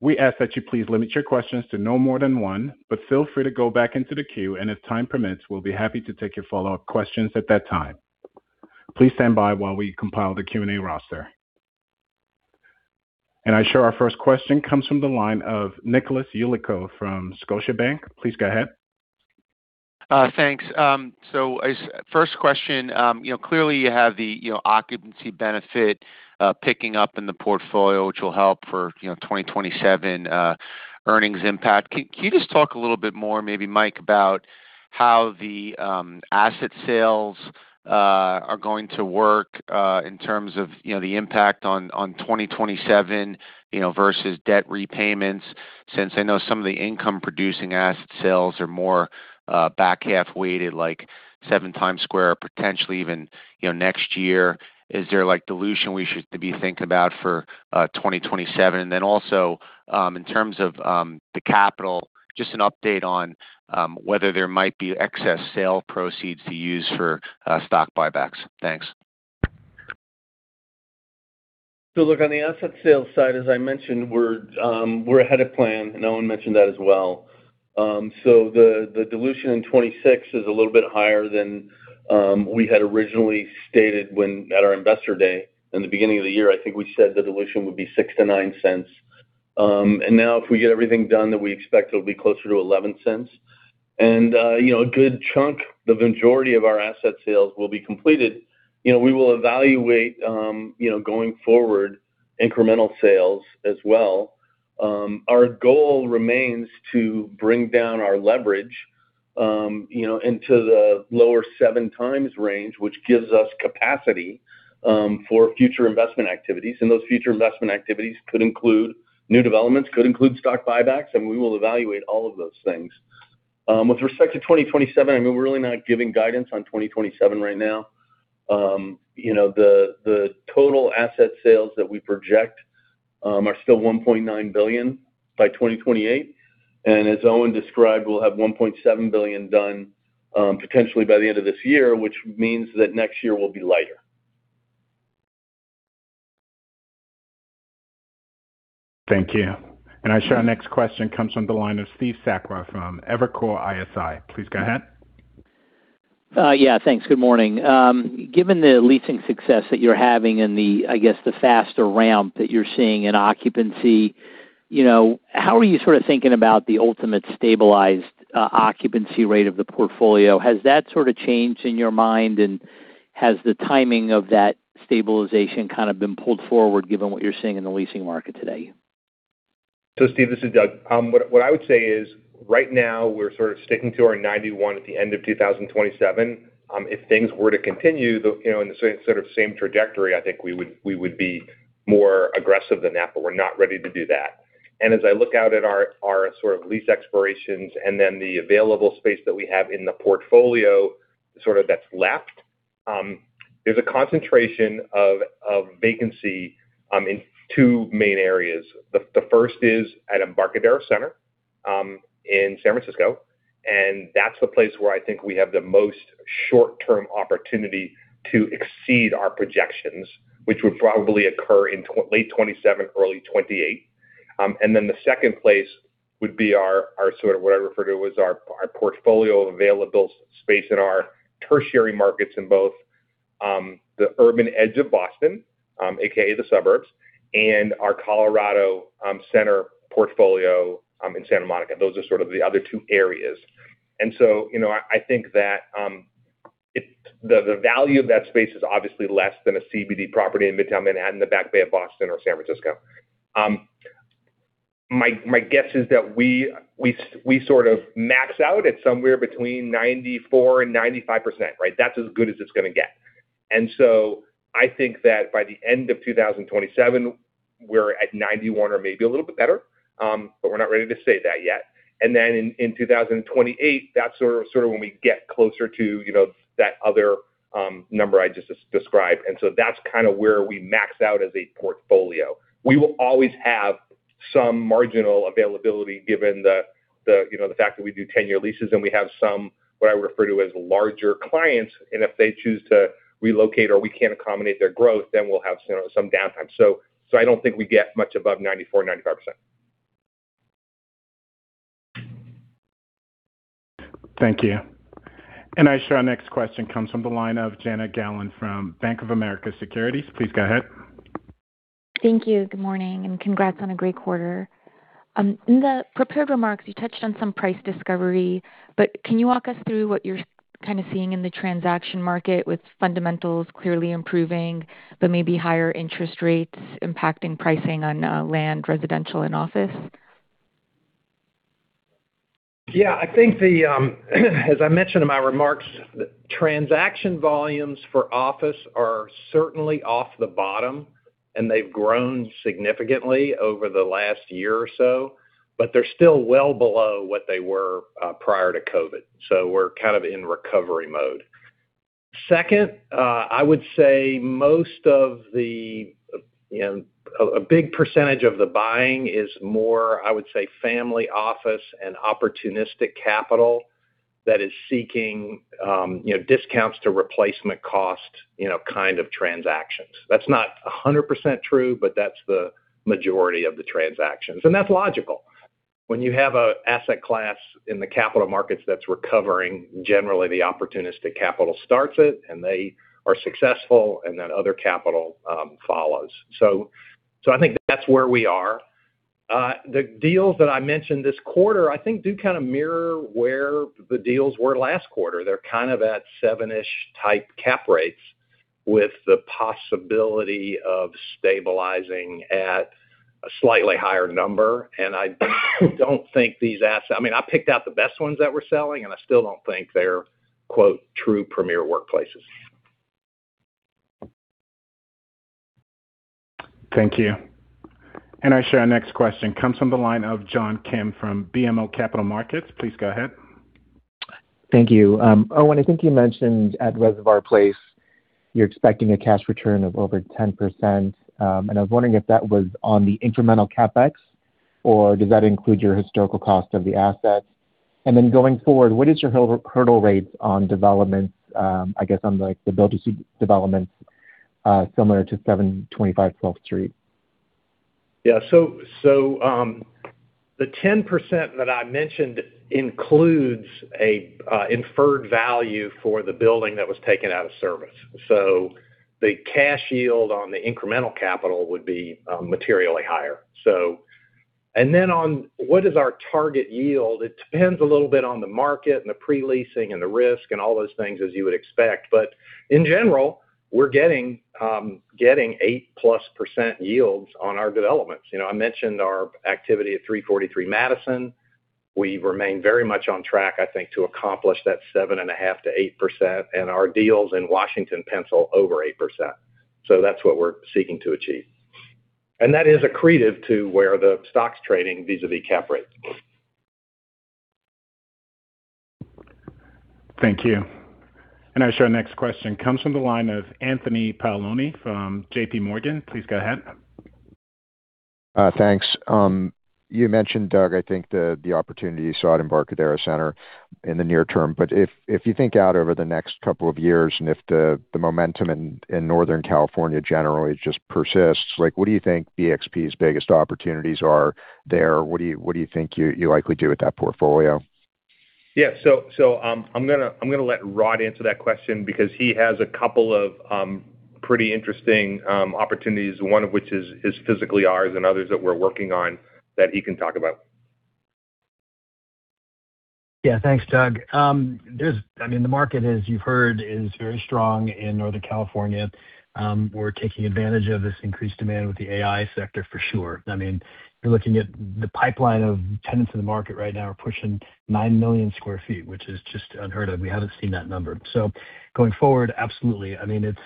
We ask that you please limit your questions to no more than one, but feel free to go back into the queue, and if time permits, we'll be happy to take your follow-up questions at that time. Please stand by while we compile the Q&A roster. I show our first question comes from the line of Nicholas Yulico from Scotiabank. Please go ahead. Thanks. First question. Clearly, you have the occupancy benefit picking up in the portfolio, which will help for 2027 earnings impact. Can you just talk a little bit more, maybe Mike, about how the asset sales are going to work in terms of the impact on 2027 versus debt repayments, since I know some of the income producing asset sales are more back half weighted, like Seven Times Square, potentially even next year. Is there dilution we should be thinking about for 2027? Also, in terms of the capital, just an update on whether there might be excess sale proceeds to use for stock buybacks. Thanks. Look, on the asset sales side, as I mentioned, we're ahead of plan, and Owen mentioned that as well. The dilution in 2026 is a little bit higher than we had originally stated at our Investor Day. In the beginning of the year, I think we said the dilution would be $0.06-$0.09. Now if we get everything done that we expect, it'll be closer to $0.11. A good chunk, the majority of our asset sales will be completed. We will evaluate going forward incremental sales as well. Our goal remains to bring down our leverage into the lower 7x range, which gives us capacity for future investment activities. Those future investment activities could include new developments, could include stock buybacks, and we will evaluate all of those things. With respect to 2027, we're really not giving guidance on 2027 right now. The total asset sales that we project are still $1.9 billion by 2028. As Owen described, we'll have $1.7 billion done potentially by the end of this year, which means that next year will be lighter. Thank you. I show our next question comes from the line of Steve Sakwa from Evercore ISI. Please go ahead. Yeah, thanks. Good morning. Given the leasing success that you're having and the faster ramp that you're seeing in occupancy, how are you sort of thinking about the ultimate stabilized occupancy rate of the portfolio? Has that sort of changed in your mind, and has the timing of that stabilization kind of been pulled forward given what you're seeing in the leasing market today? Steve, this is Doug. What I would say is right now, we're sort of sticking to our 91 at the end of 2027. If things were to continue in the sort of same trajectory, I think we would be more aggressive than that, but we're not ready to do that. As I look out at our sort of lease expirations and then the available space that we have in the portfolio sort of that's left There's a concentration of vacancy in two main areas. The first is at Embarcadero Center in San Francisco. That's the place where I think we have the most short-term opportunity to exceed our projections, which would probably occur in late 2027, early 2028. The second place would be our sort of what I refer to as our portfolio available space in our tertiary markets in both the urban edge of Boston, AKA the suburbs, and our Colorado Center portfolio in Santa Monica. Those are sort of the other two areas. I think that the value of that space is obviously less than a CBD property in Midtown Manhattan, the Back Bay of Boston, or San Francisco. My guess is that we sort of max out at somewhere between 94%-95%, right? That's as good as it's going to get. I think that by the end of 2027, we're at 91% or maybe a little bit better. But we're not ready to say that yet. In 2028, that's sort of when we get closer to that other number I just described. That's kind of where we max out as a portfolio. We will always have some marginal availability given the fact that we do 10-year leases and we have some, what I would refer to as larger clients, and if they choose to relocate or we can't accommodate their growth, then we'll have some downtime. I don't think we get much above 94%-95%. Thank you. Our next question comes from the line of Jana Galan from Bank of America Securities. Please go ahead. Thank you. Good morning. Congrats on a great quarter. In the prepared remarks, you touched on some price discovery. Can you walk us through what you're kind of seeing in the transaction market with fundamentals clearly improving, maybe higher interest rates impacting pricing on land, residential, and office? I think as I mentioned in my remarks, transaction volumes for office are certainly off the bottom. They've grown significantly over the last year or so. They're still well below what they were prior to COVID. We're kind of in recovery mode. Second, I would say a big percentage of the buying is more, I would say, family office and opportunistic capital that is seeking discounts to replacement cost kind of transactions. That's not 100% true. That's the majority of the transactions. That's logical. When you have an asset class in the capital markets that's recovering, generally the opportunistic capital starts it. They are successful. Other capital follows. I think that's where we are. The deals that I mentioned this quarter, I think do kind of mirror where the deals were last quarter. They're kind of at seven-ish type cap rates with the possibility of stabilizing at a slightly higher number. I picked out the best ones that we're selling. I still don't think they're, quote, true premier workplaces. Thank you. Our next question comes from the line of John Kim from BMO Capital Markets. Please go ahead. Thank you. Owen, I think you mentioned at Reservoir Place you're expecting a cash return of over 10%, and I was wondering if that was on the incremental CapEx or does that include your historical cost of the asset? Going forward, what is your hurdle rates on developments, I guess on, like, the build-to-suit developments, similar to 725 12th Street NW? Yeah. The 10% that I mentioned includes an inferred value for the building that was taken out of service. The cash yield on the incremental capital would be materially higher. On what is our target yield, it depends a little bit on the market and the pre-leasing and the risk and all those things as you would expect. In general, we're getting 8%+ yields on our developments. I mentioned our activity at 343 Madison. We remain very much on track, I think, to accomplish that 7.5%-8%, and our deals in Washington, D.C. pencil over 8%. That's what we're seeking to achieve. That is accretive to where the stock's trading vis-à-vis cap rate. Thank you. Our next question comes from the line of Anthony Paolone from JPMorgan. Please go ahead. Thanks. You mentioned, Doug, I think the opportunity you saw at Embarcadero Center in the near term. If you think out over the next couple of years and if the momentum in Northern California generally just persists, what do you think BXP's biggest opportunities are there? What do you think you likely do with that portfolio? Yeah. I'm going to let Rod answer that question because he has a couple of pretty interesting opportunities, one of which is physically ours and others that we're working on that he can talk about. Yeah, thanks, Doug. The market, as you've heard, is very strong in Northern California. We're taking advantage of this increased demand with the AI sector for sure. You're looking at the pipeline of tenants in the market right now are pushing 9 million sq ft, which is just unheard of. We haven't seen that number. Going forward, absolutely. It's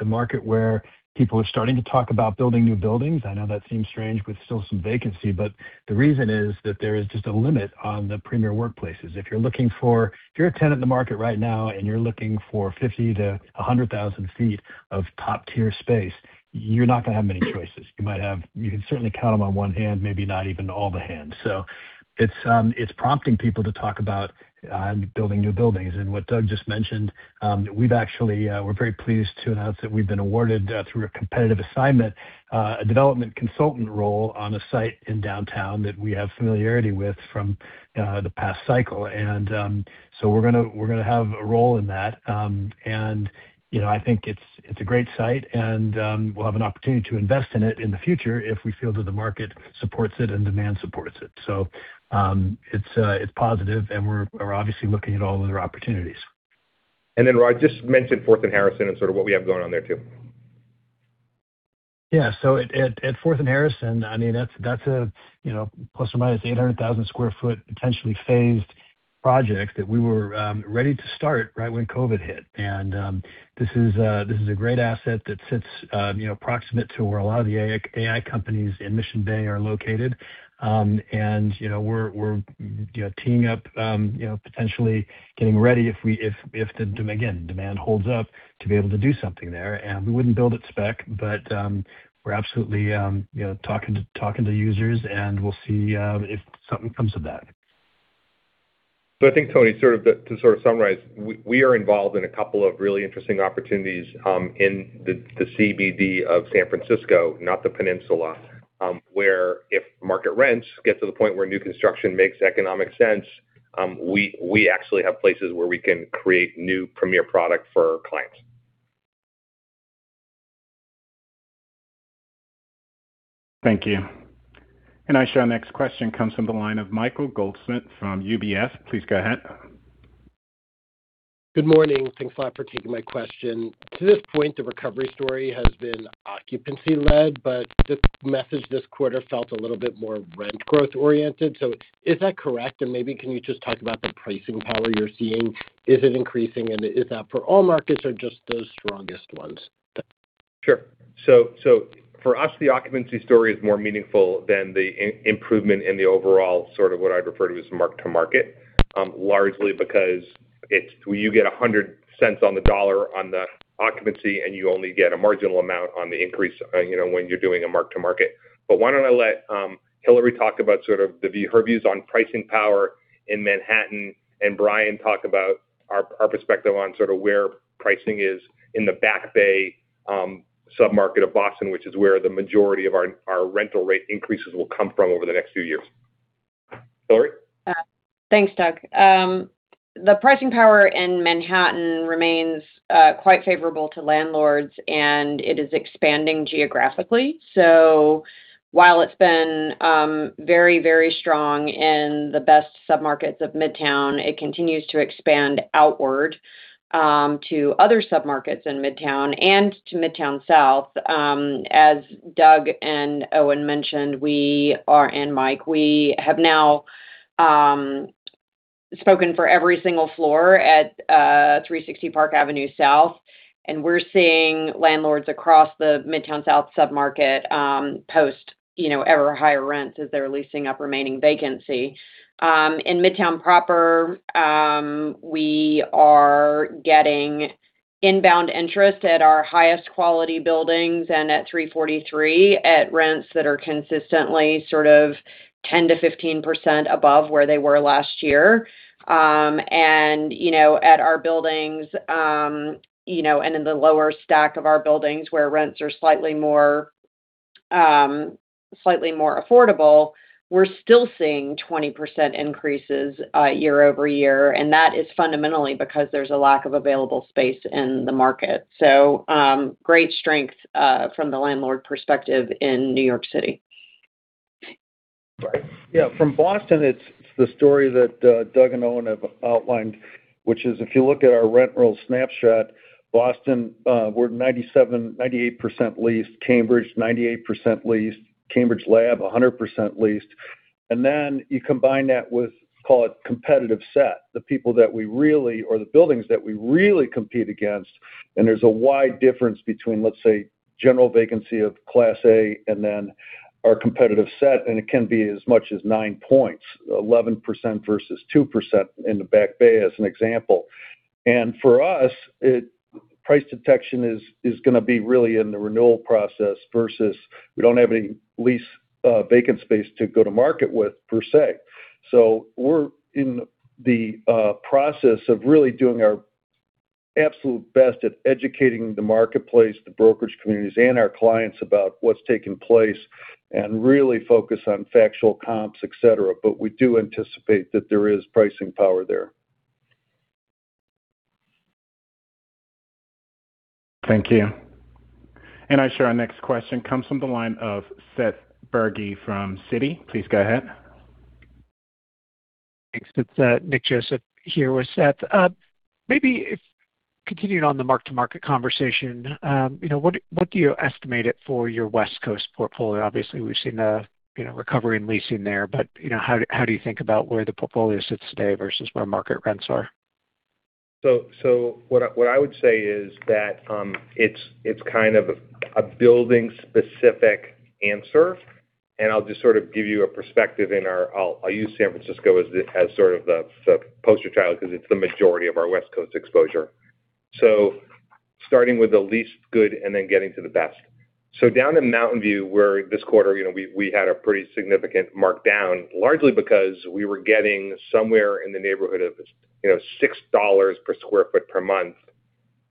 a market where people are starting to talk about building new buildings. I know that seems strange with still some vacancy, the reason is that there is just a limit on the premier workplaces. If you're a tenant in the market right now and you're looking for 50,000 sq ft-100,000 sq ft of top tier space, you're not going to have many choices. You can certainly count them on one hand, maybe not even all the hands. It's prompting people to talk about building new buildings. What Doug just mentioned, we're very pleased to announce that we've been awarded, through a competitive assignment, a development consultant role on a site in downtown that we have familiarity with from the past cycle. We're going to have a role in that. I think it's a great site, and we'll have an opportunity to invest in it in the future if we feel that the market supports it and demand supports it. It's positive, and we're obviously looking at all other opportunities. Rod, just mention Fourth and Harrison and sort of what we have going on there, too. Yeah. At Fourth and Harrison, that's a ±800,000 sq ft potentially phased project that we were ready to start right when COVID hit. This is a great asset that sits proximate to where a lot of the AI companies in Mission Bay are located. We're teeing up, potentially getting ready if the, again, demand holds up to be able to do something there. We wouldn't build at spec, but we're absolutely talking to users, and we'll see if something comes of that. I think, Tony, to sort of summarize, we are involved in a couple of really interesting opportunities in the CBD of San Francisco, not the peninsula, where if market rents get to the point where new construction makes economic sense, we actually have places where we can create new premier product for our clients. Thank you. Our next question comes from the line of Michael Goldsmith from UBS. Please go ahead. Good morning. Thanks a lot for taking my question. To this point, the recovery story has been occupancy led, but the message this quarter felt a little bit more rent growth oriented. Is that correct? Maybe can you just talk about the pricing power you're seeing? Is it increasing, and is that for all markets or just the strongest ones? Thanks. For us, the occupancy story is more meaningful than the improvement in the overall sort of what I'd refer to as mark-to-market. Largely because you get $1.00 on the dollar on the occupancy, and you only get a marginal amount on the increase when you're doing a mark-to-market. Why don't I let Hilary Spann talk about sort of her views on pricing power in Manhattan and Brian Kelly talk about our perspective on sort of where pricing is in the Back Bay submarket of Boston, which is where the majority of our rental rate increases will come from over the next few years. Hilary Spann? Thanks, Doug. The pricing power in Manhattan remains quite favorable to landlords, and it is expanding geographically. While it's been very strong in the best submarkets of Midtown, it continues to expand outward to other submarkets in Midtown and to Midtown South. As Doug and Owen mentioned, we are, and Mike, we have now spoken for every single floor at 360 Park Avenue South, and we're seeing landlords across the Midtown South submarket post ever higher rents as they're leasing up remaining vacancy. In Midtown proper, we are getting inbound interest at our highest quality buildings and at 343 at rents that are consistently sort of 10%-15% above where they were last year. At our buildings, and in the lower stack of our buildings where rents are slightly more affordable, we're still seeing 20% increases year-over-year. That is fundamentally because there's a lack of available space in the market. Great strength from the landlord perspective in New York City. Right. From Boston, it's the story that Doug and Owen have outlined, which is if you look at our rent roll snapshot, Boston, we're at 98% leased, Cambridge, 98% leased, Cambridge Lab, 100% leased. Then you combine that with, call it competitive set, the people that we really, or the buildings that we really compete against. There's a wide difference between, let's say, general vacancy of Class A and then our competitive set, and it can be as much as 9 points, 11% versus 2% in the Back Bay, as an example. For us, price detection is going to be really in the renewal process versus we don't have any lease vacant space to go to market with, per se. We're in the process of really doing our absolute best at educating the marketplace, the brokerage communities, and our clients about what's taking place and really focus on factual comps, et cetera. We do anticipate that there is pricing power there. Thank you. Our next question comes from the line of Seth Bergey from Citi. Please go ahead. Thanks. It's Nick Joseph here with Seth. Continuing on the mark-to-market conversation, what do you estimate it for your West Coast portfolio? Obviously, we've seen a recovery in leasing there. How do you think about where the portfolio sits today versus where market rents are? What I would say is that it's kind of a building specific answer. I'll just sort of give you a perspective in our-- I'll use San Francisco as sort of the poster child because it's the majority of our West Coast exposure. Starting with the least good and then getting to the best. Down in Mountain View, where this quarter we had a pretty significant markdown, largely because we were getting somewhere in the neighborhood of $6 per square foot per month,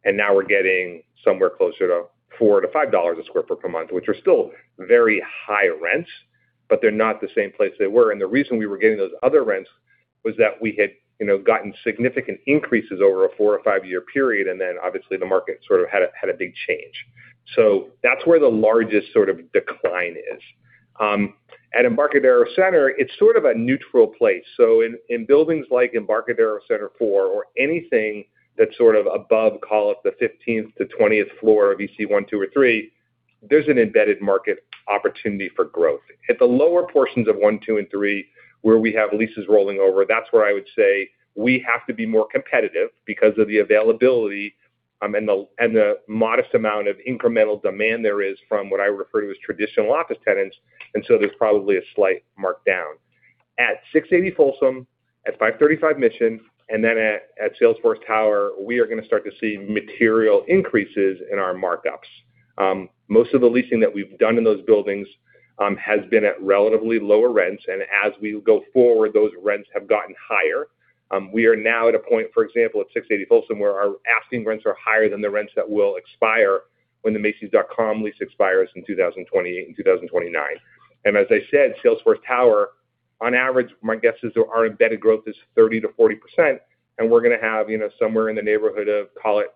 and now we're getting somewhere closer to $4-$5 a square foot per month, which are still very high rents, but they're not the same place they were. The reason we were getting those other rents was that we had gotten significant increases over a four- or five-year period, and then obviously the market sort of had a big change. That's where the largest sort of decline is. At Embarcadero Center, it's sort of a neutral place. In buildings like Embarcadero Center 4 or anything that's sort of above, call it the 15th-20th floor of EC one, two, or three, there's an embedded market opportunity for growth. At the lower portions of one, two, and three, where we have leases rolling over, that's where I would say we have to be more competitive because of the availability and the modest amount of incremental demand there is from what I would refer to as traditional office tenants. There's probably a slight markdown. At 680 Folsom, at 535 Mission, and then at Salesforce Tower, we are going to start to see material increases in our markups. Most of the leasing that we've done in those buildings has been at relatively lower rents, as we go forward, those rents have gotten higher. We are now at a point, for example, at 680 Folsom, where our asking rents are higher than the rents that will expire when the macys.com lease expires in 2028 and 2029. As I said, Salesforce Tower, on average, my guess is our embedded growth is 30%-40%, and we're going to have somewhere in the neighborhood of, call it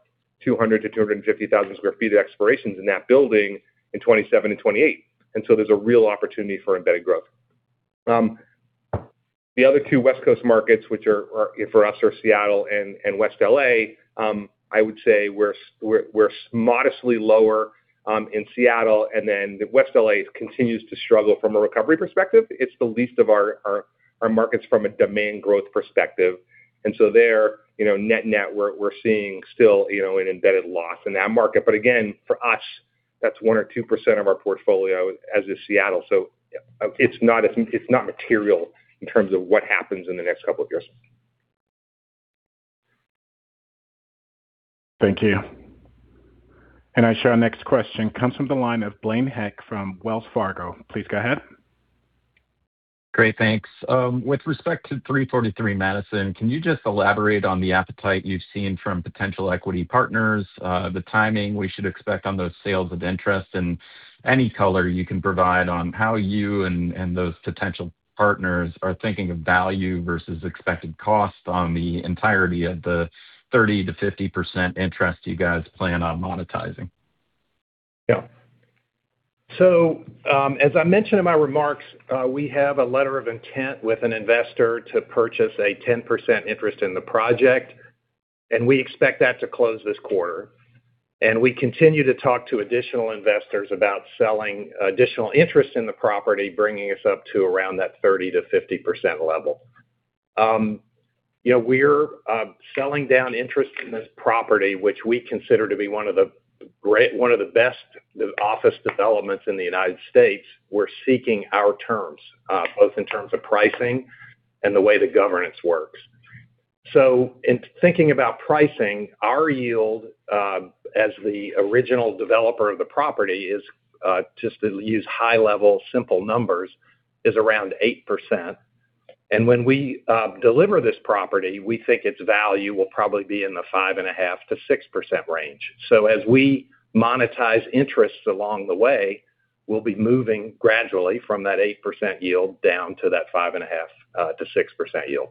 200,000-250,000 sq ft of expirations in that building in 2027 and 2028. There's a real opportunity for embedded growth. The other two West Coast markets, which for us are Seattle and West L.A., I would say we're modestly lower in Seattle, and then West L.A. continues to struggle from a recovery perspective. It's the least of our markets from a domain growth perspective. There, net net, we're seeing still an embedded loss in that market. Again, for us, that's 1% or 2% of our portfolio, as is Seattle. It's not material in terms of what happens in the next couple of years. Thank you. I show our next question comes from the line of Blaine Heck from Wells Fargo. Please go ahead. Great, thanks. With respect to 343 Madison, can you just elaborate on the appetite you've seen from potential equity partners, the timing we should expect on those sales of interest, and any color you can provide on how you and those potential partners are thinking of value versus expected cost on the entirety of the 30%-50% interest you guys plan on monetizing? Yeah. As I mentioned in my remarks, we have a letter of intent with an investor to purchase a 10% interest in the project, and we expect that to close this quarter. We continue to talk to additional investors about selling additional interest in the property, bringing us up to around that 30%-50% level. We're selling down interest in this property, which we consider to be one of the best office developments in the U.S. We're seeking our terms, both in terms of pricing and the way the governance works. In thinking about pricing, our yield, as the original developer of the property is, just to use high level, simple numbers, is around 8%. When we deliver this property, we think its value will probably be in the 5.5%-6% range. As we monetize interests along the way, we'll be moving gradually from that 8% yield down to that 5.5%-6% yield.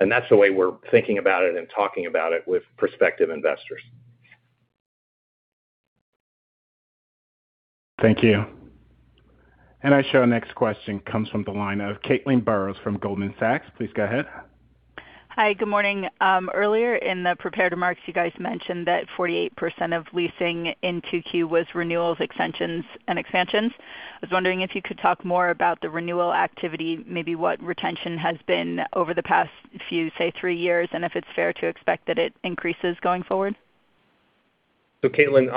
That's the way we're thinking about it and talking about it with prospective investors. Thank you. I show our next question comes from the line of Caitlin Burrows from Goldman Sachs. Please go ahead. Hi, good morning. Earlier in the prepared remarks, you guys mentioned that 48% of leasing in 2Q was renewals, extensions, and expansions. I was wondering if you could talk more about the renewal activity, maybe what retention has been over the past, say, three years, and if it's fair to expect that it increases going forward. Caitlin,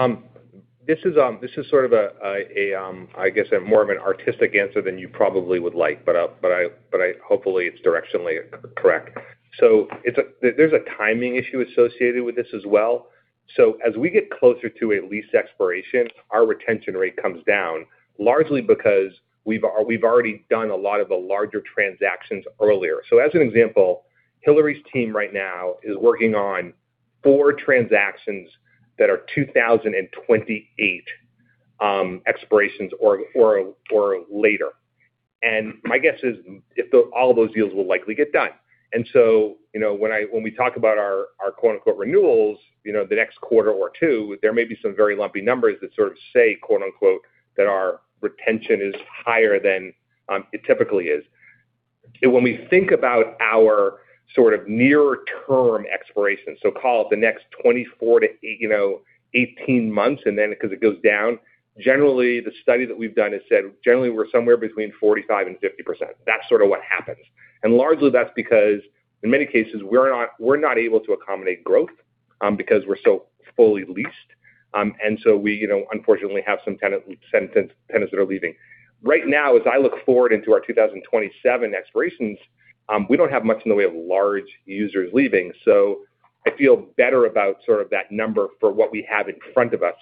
this is sort of, I guess, more of an artistic answer than you probably would like, but hopefully it's directionally correct. There's a timing issue associated with this as well. As we get closer to a lease expiration, our retention rate comes down, largely because we've already done a lot of the larger transactions earlier. As an example, Hilary's team right now is working on four transactions that are 2028 expirations or later. My guess is all of those deals will likely get done. When we talk about our "renewals" the next quarter or two, there may be some very lumpy numbers that sort of say, "that our retention is higher than it typically is." When we think about our sort of nearer term expiration, call it the next 24 to 18 months, then because it goes down, generally the study that we've done has said generally we're somewhere between 45% and 50%. That's sort of what happens. Largely that's because in many cases, we're not able to accommodate growth because we're so fully leased. We unfortunately have some tenants that are leaving. Right now, as I look forward into our 2027 expirations, we don't have much in the way of large users leaving, so I feel better about sort of that number for what we have in front of us.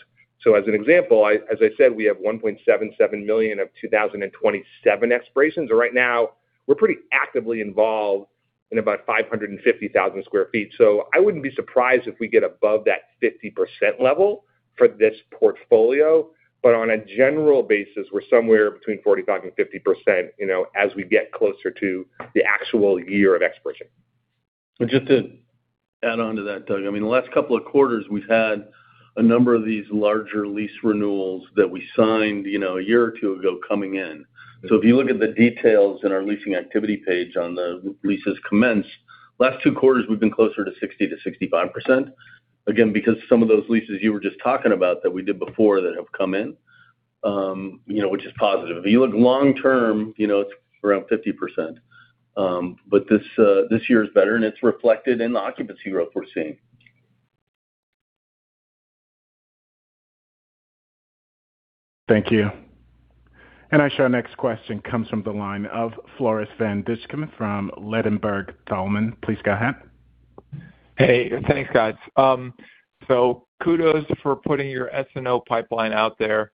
As an example, as I said, we have 1.77 million of 2027 expirations. Right now, we're pretty actively involved in about 550,000 sq ft. I wouldn't be surprised if we get above that 50% level for this portfolio. On a general basis, we're somewhere between 45% and 50% as we get closer to the actual year of expiration. Just to add on to that, Doug, I mean, the last couple of quarters, we've had a number of these larger lease renewals that we signed a year or two ago coming in. If you look at the details in our leasing activity page on the leases commenced, last two quarters, we've been closer to 60%-65%. Again, because some of those leases you were just talking about that we did before that have come in, which is positive. If you look long-term, it's around 50%. This year is better, and it's reflected in the occupancy growth we're seeing. Thank you. I show our next question comes from the line of Floris van Dijkum from Ladenburg Thalmann. Please go ahead. Hey, thanks, guys. Kudos for putting your SNO pipeline out there,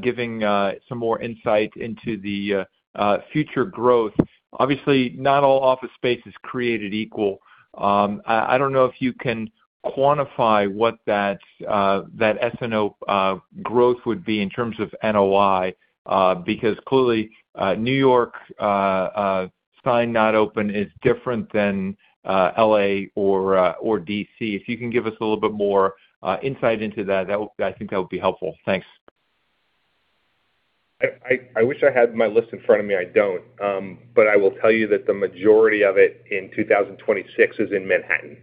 giving some more insight into the future growth. Obviously, not all office space is created equal. I don't know if you can quantify what that SNO growth would be in terms of NOI because clearly, New York Sign Not Open is different than L.A. or D.C. If you can give us a little bit more insight into that, I think that would be helpful. Thanks. I wish I had my list in front of me. I don't. I will tell you that the majority of it in 2026 is in Manhattan.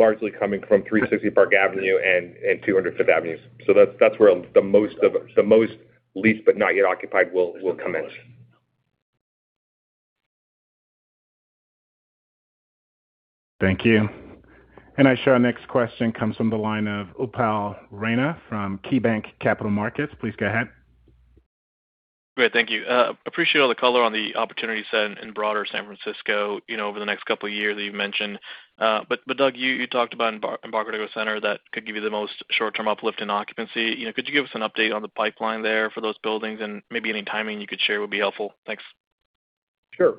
Largely coming from 360 Park Avenue and 200 Fifth Avenue. That's where the most leased but not yet occupied will commence. Thank you. I show our next question comes from the line of Upal Rana from KeyBanc Capital Markets. Please go ahead. Great. Thank you. Appreciate all the color on the opportunity set in broader San Francisco over the next couple of years that you've mentioned. Doug, you talked about Embarcadero Center that could give you the most short-term uplift in occupancy. Could you give us an update on the pipeline there for those buildings, and maybe any timing you could share would be helpful? Thanks. Sure.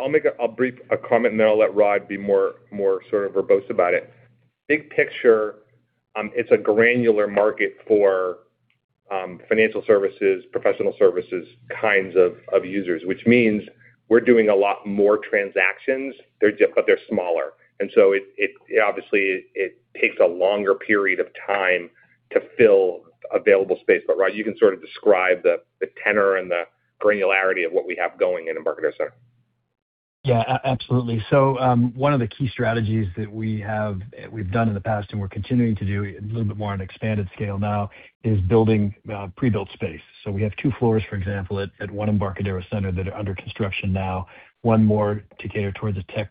I'll make a brief comment, then I'll let Rod be more sort of verbose about it. Big picture, it's a granular market for financial services, professional services kinds of users, which means we're doing a lot more transactions, but they're smaller. Obviously, it takes a longer period of time to fill available space. Rod, you can sort of describe the tenor and the granularity of what we have going in Embarcadero Center. Yeah, absolutely. One of the key strategies that we've done in the past and we're continuing to do a little bit more on an expanded scale now is building pre-built space. We have two floors, for example, at One Embarcadero Center that are under construction now. One more to cater towards the tech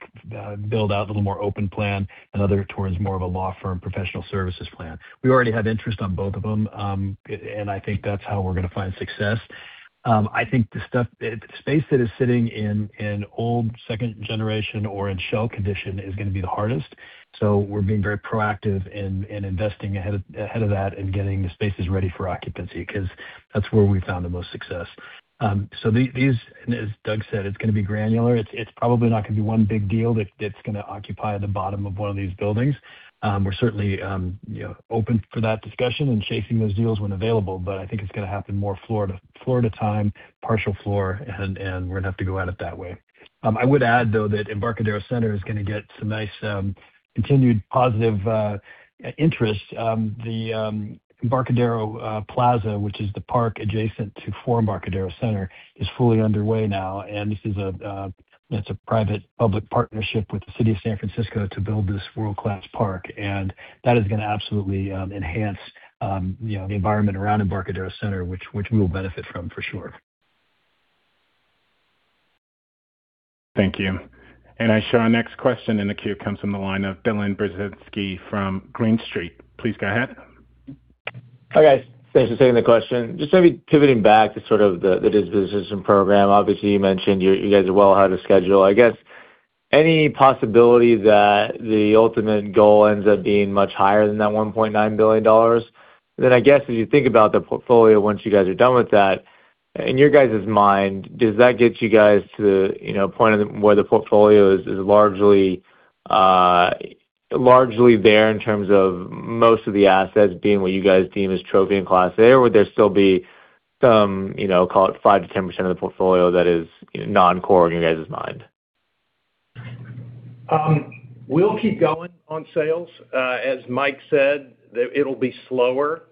build-out, a little more open plan. Another towards more of a law firm, professional services plan. We already have interest on both of them. I think that's how we're going to find success. I think the space that is sitting in an old second generation or in shell condition is going to be the hardest. We're being very proactive in investing ahead of that and getting the spaces ready for occupancy, because that's where we found the most success. These, as Doug said, it's going to be granular. It's probably not going to be one big deal that's going to occupy the bottom of one of these buildings. We're certainly open for that discussion and chasing those deals when available, but I think it's going to happen more floor to time, partial floor, and we're going to have to go at it that way. I would add, though, that Embarcadero Center is going to get some nice continued positive interest. The Embarcadero Plaza, which is the park adjacent to Four Embarcadero Center, is fully underway now. That's a private-public partnership with the City of San Francisco to build this world-class park, and that is going to absolutely enhance the environment around Embarcadero Center, which we will benefit from for sure. Thank you. I show our next question in the queue comes from the line of Dylan Burzinski from Green Street. Please go ahead. Hi, guys. Thanks for taking the question. Just maybe pivoting back to sort of the disposition program. Obviously, you mentioned you guys are well ahead of schedule. I guess, any possibility that the ultimate goal ends up being much higher than that $1.9 billion? I guess if you think about the portfolio, once you guys are done with that, in your guys' mind, does that get you guys to a point where the portfolio is largely there in terms of most of the assets being what you guys deem as trophy and Class A, or would there still be some, call it five to 10% of the portfolio that is non-core in your guys' mind? We'll keep going on sales. As Mike said, it'll be slower,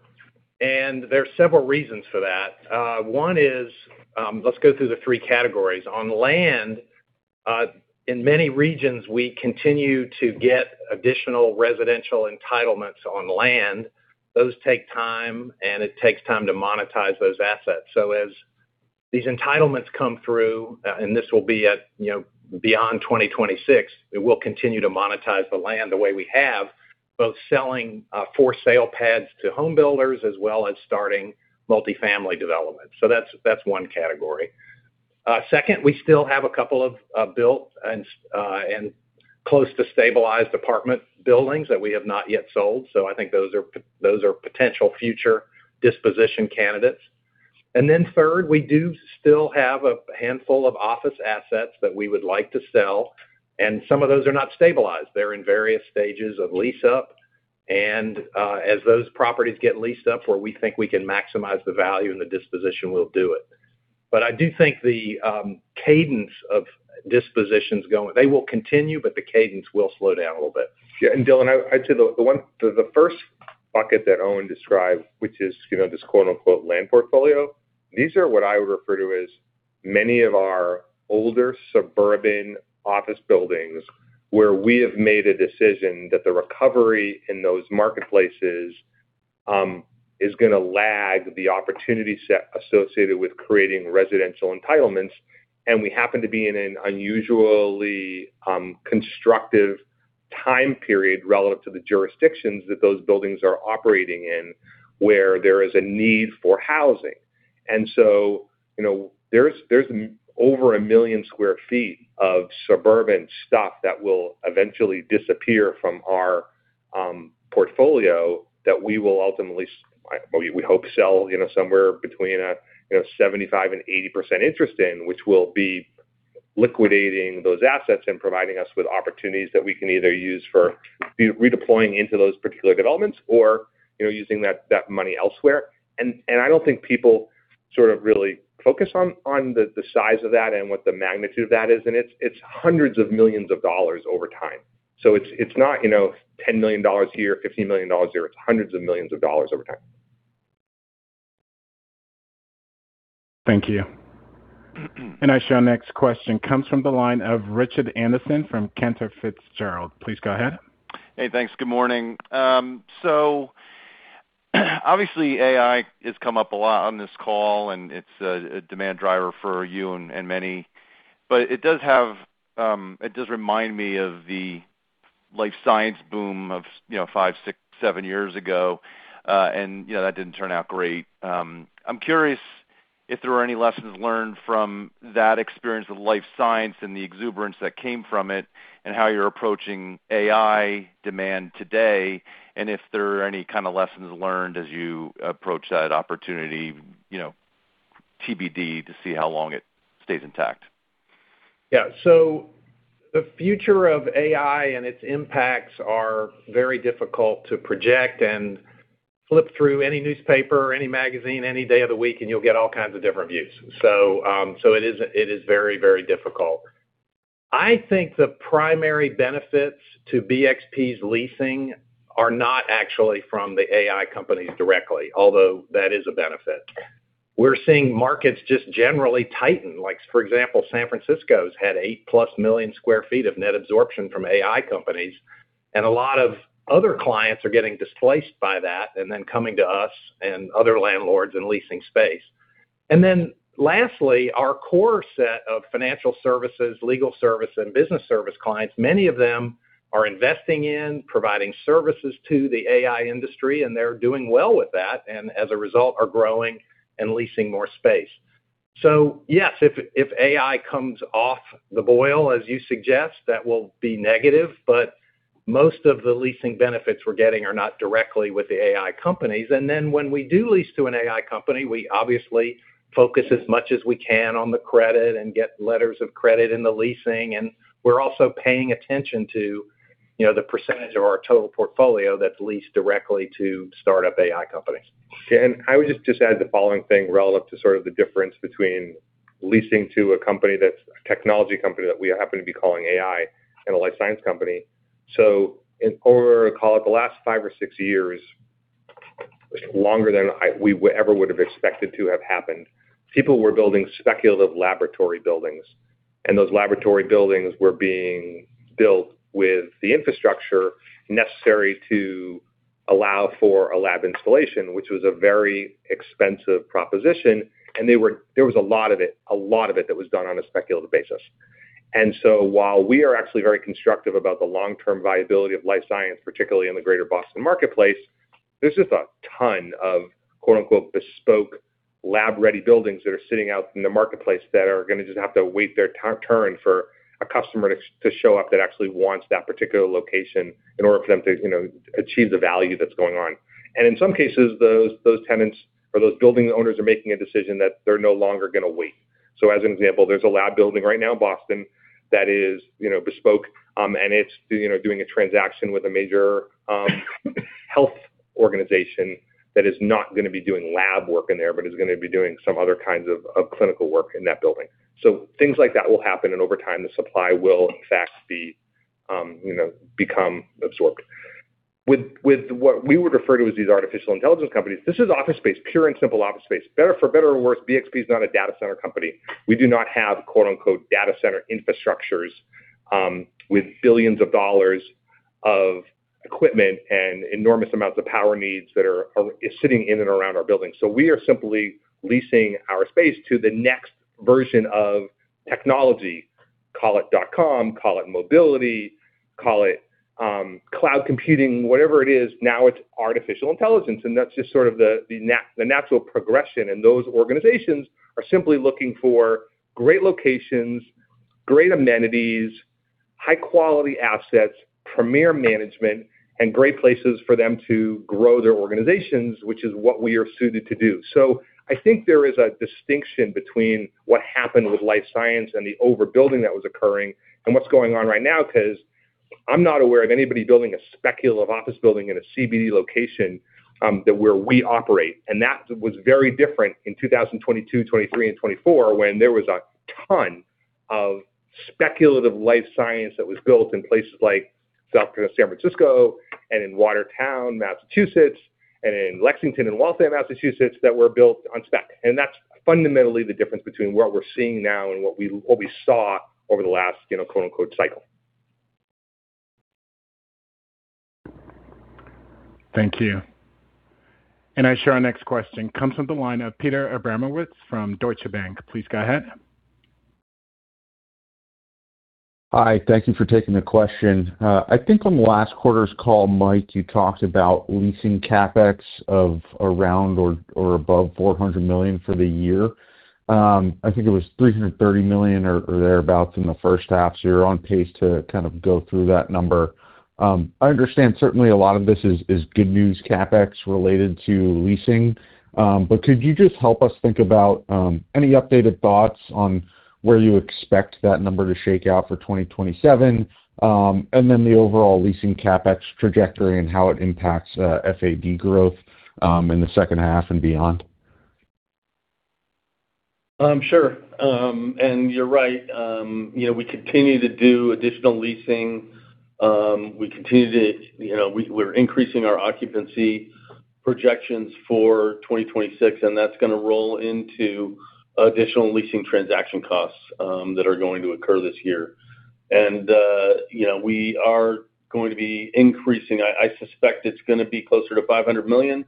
and there's several reasons for that. One is, let's go through the three categories. On land, in many regions, we continue to get additional residential entitlements on land. Those take time, and it takes time to monetize those assets. As these entitlements come through, this will be beyond 2026. We will continue to monetize the land the way we have, both selling for sale pads to home builders as well as starting multifamily development. That's one category. Second, we still have a couple of built and close to stabilized apartment buildings that we have not yet sold. I think those are potential future disposition candidates. Third, we do still have a handful of office assets that we would like to sell, some of those are not stabilized. They're in various stages of lease up. As those properties get leased up where we think we can maximize the value and the disposition, we'll do it. I do think the cadence of dispositions. They will continue, but the cadence will slow down a little bit. Yeah. Dylan, I'd say the first bucket that Owen described, which is this quote, unquote, "land portfolio," these are what I would refer to as many of our older suburban office buildings where we have made a decision that the recovery in those marketplaces is going to lag the opportunity set associated with creating residential entitlements. We happen to be in an unusually constructive time period relative to the jurisdictions that those buildings are operating in, where there is a need for housing. There's over 1 million sq ft of suburban stuff that will eventually disappear from our portfolio that we will ultimately, we hope, sell somewhere between 75%-80% interest in, which will be liquidating those assets and providing us with opportunities that we can either use for redeploying into those particular developments or using that money elsewhere. I don't think people sort of really focus on the size of that and what the magnitude of that is. It's hundreds of millions of dollars over time. It's not $10 million a year, $15 million a year. It's hundreds of millions of dollars over time. Thank you. Our next question comes from the line of Richard Anderson from Cantor Fitzgerald. Please go ahead. Hey, thanks. Good morning. Obviously, AI has come up a lot on this call, and it's a demand driver for you and many. It does remind me of the life science boom of five, six, seven years ago. That didn't turn out great. I'm curious if there were any lessons learned from that experience with life science and the exuberance that came from it, and how you're approaching AI demand today, and if there are any kind of lessons learned as you approach that opportunity, TBD, to see how long it stays intact. Yeah. The future of AI and its impacts are very difficult to project. Flip through any newspaper or any magazine any day of the week, and you'll get all kinds of different views. It is very difficult. I think the primary benefits to BXP's leasing are not actually from the AI companies directly, although that is a benefit. We're seeing markets just generally tighten. Like for example, San Francisco's had 8+ million sq ft of net absorption from AI companies, and a lot of other clients are getting displaced by that, and then coming to us and other landlords and leasing space. Lastly, our core set of financial services, legal service, and business service clients, many of them are investing in providing services to the AI industry, and they're doing well with that, and as a result, are growing and leasing more space. Yes, if AI comes off the boil, as you suggest, that will be negative, but most of the leasing benefits we're getting are not directly with the AI companies. When we do lease to an AI company, we obviously focus as much as we can on the credit and get letters of credit in the leasing. We're also paying attention to the percentage of our total portfolio that's leased directly to startup AI companies. I would just add the following thing relative to sort of the difference between leasing to a company that's a technology company that we happen to be calling AI and a life science company. In order to call it the last five or six years, longer than we ever would have expected to have happened, people were building speculative laboratory buildings, and those laboratory buildings were being built with the infrastructure necessary to allow for a lab installation, which was a very expensive proposition. There was a lot of it that was done on a speculative basis. While we are actually very constructive about the long-term viability of life science, particularly in the greater Boston marketplace, there's just a ton of, quote, unquote, "bespoke lab ready buildings" that are sitting out in the marketplace that are going to just have to wait their turn for a customer to show up that actually wants that particular location in order for them to achieve the value that's going on. In some cases, those tenants or those building owners are making a decision that they're no longer going to wait. As an example, there's a lab building right now in Boston that is bespoke, and it's doing a transaction with a major health organization that is not going to be doing lab work in there, but is going to be doing some other kinds of clinical work in that building. Things like that will happen, and over time, the supply will in fact become absorbed. With what we would refer to as these artificial intelligence companies, this is office space, pure and simple office space. For better or worse, BXP is not a data center company. We do not have, quote, unquote, "data center infrastructures" with billions of dollars of equipment and enormous amounts of power needs that are sitting in and around our buildings. We are simply leasing our space to the next version of technology, call it dotcom, call it mobility, call it cloud computing, whatever it is. Now it's artificial intelligence, and that's just sort of the natural progression. Those organizations are simply looking for great locations, great amenities, high-quality assets, premier management, and great places for them to grow their organizations, which is what we are suited to do. I think there is a distinction between what happened with life science and the overbuilding that was occurring and what's going on right now. Because I'm not aware of anybody building a speculative office building in a CBD location where we operate. That was very different in 2022, 2023, and 2024, when there was a ton of speculative life science that was built in places like South San Francisco and in Watertown, Massachusetts, and in Lexington and Waltham, Massachusetts, that were built on spec. That's fundamentally the difference between what we're seeing now and what we saw over the last "cycle. Thank you. Our next question comes from the line of Peter Abramowitz from Deutsche Bank. Please go ahead. Hi. Thank you for taking the question. I think on last quarter's call, Mike, you talked about leasing CapEx of around or above $400 million for the year. I think it was $330 million or thereabouts in the first half. You're on pace to kind of go through that number. I understand certainly a lot of this is good news CapEx related to leasing. Could you just help us think about any updated thoughts on where you expect that number to shake out for 2027? The overall leasing CapEx trajectory and how it impacts FAD growth in the second half and beyond. Sure. You're right. We continue to do additional leasing. We're increasing our occupancy projections for 2026, and that's going to roll into additional leasing transaction costs that are going to occur this year. We are going to be increasing. I suspect it's going to be closer to $500 million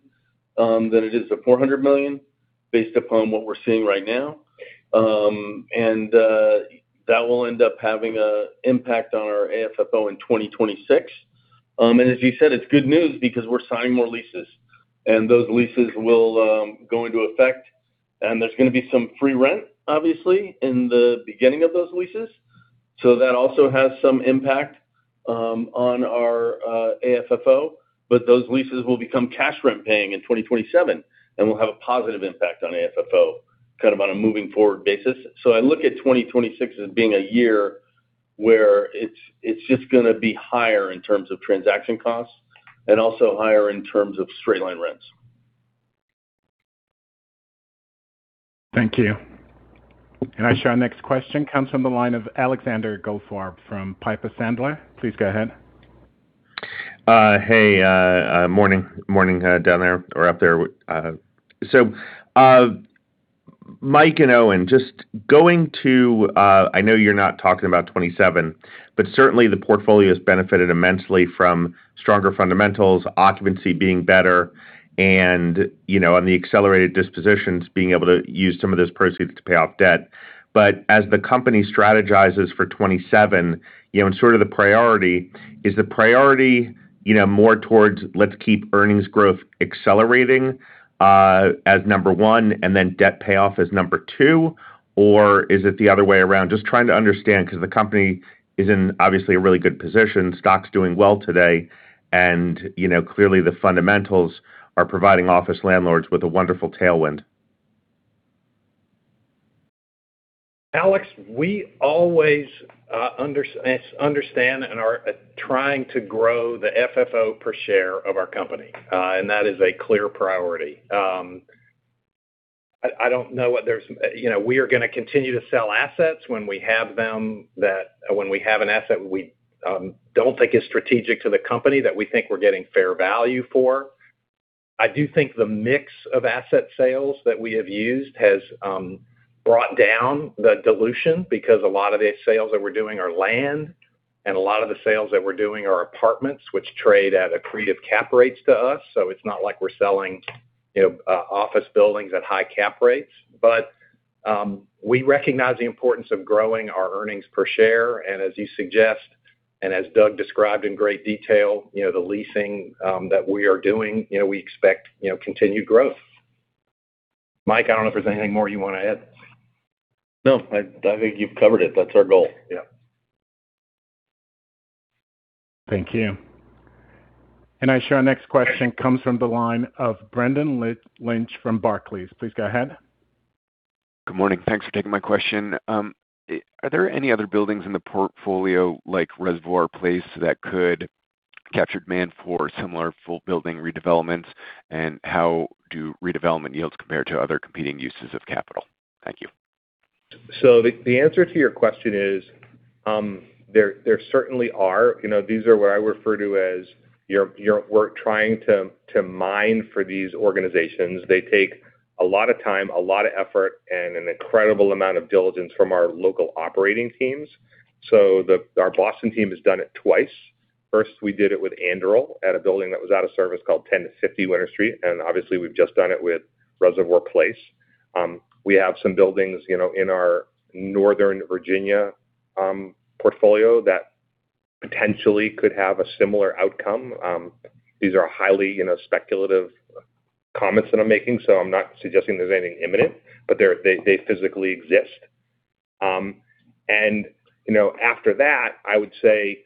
than it is to $400 million based upon what we're seeing right now. That will end up having an impact on our AFFO in 2026. As you said, it's good news because we're signing more leases, and those leases will go into effect, and there's going to be some free rent, obviously, in the beginning of those leases. That also has some impact on our AFFO. Those leases will become cash rent paying in 2027 and will have a positive impact on AFFO, kind of on a moving forward basis. I look at 2026 as being a year where it's just going to be higher in terms of transaction costs and also higher in terms of straight line rents. Thank you. Our next question comes from the line of Alexander Goldfarb from Piper Sandler. Please go ahead. Hey, morning down there or up there. Mike and Owen, I know you're not talking about 2027, certainly the portfolio's benefited immensely from stronger fundamentals, occupancy being better, and on the accelerated dispositions, being able to use some of those proceeds to pay off debt. As the company strategizes for 2027, and sort of the priority, is the priority more towards let's keep earnings growth accelerating as number one and then debt payoff as number two? Or is it the other way around? Just trying to understand because the company is in obviously a really good position. Stock's doing well today, clearly the fundamentals are providing office landlords with a wonderful tailwind. Alex, we always understand and are trying to grow the FFO per share of our company. That is a clear priority. We are going to continue to sell assets when we have an asset we don't think is strategic to the company that we think we're getting fair value for. I do think the mix of asset sales that we have used has brought down the dilution because a lot of the sales that we're doing are land, and a lot of the sales that we're doing are apartments, which trade at accretive cap rates to us. It's not like we're selling office buildings at high cap rates. We recognize the importance of growing our earnings per share. As you suggest, and as Doug described in great detail, the leasing that we are doing, we expect continued growth. Mike, I don't know if there's anything more you want to add. No, I think you've covered it. That's our goal. Yeah. Thank you. Our next question comes from the line of Brendan Lynch from Barclays. Please go ahead. Good morning. Thanks for taking my question. Are there any other buildings in the portfolio like Reservoir Place that could capture demand for similar full building redevelopments? How do redevelopment yields compare to other competing uses of capital? Thank you. The answer to your question is, there certainly are. These are what I refer to as we're trying to mine for these organizations. They take A lot of time, a lot of effort, and an incredible amount of diligence from our local operating teams. Our Boston team has done it twice. First, we did it with Anduril at a building that was out of service called 1050 Winter Street, and obviously, we've just done it with Reservoir Place. We have some buildings in our Northern Virginia portfolio that potentially could have a similar outcome. These are highly speculative comments that I'm making, so I'm not suggesting there's anything imminent, but they physically exist. After that, I would say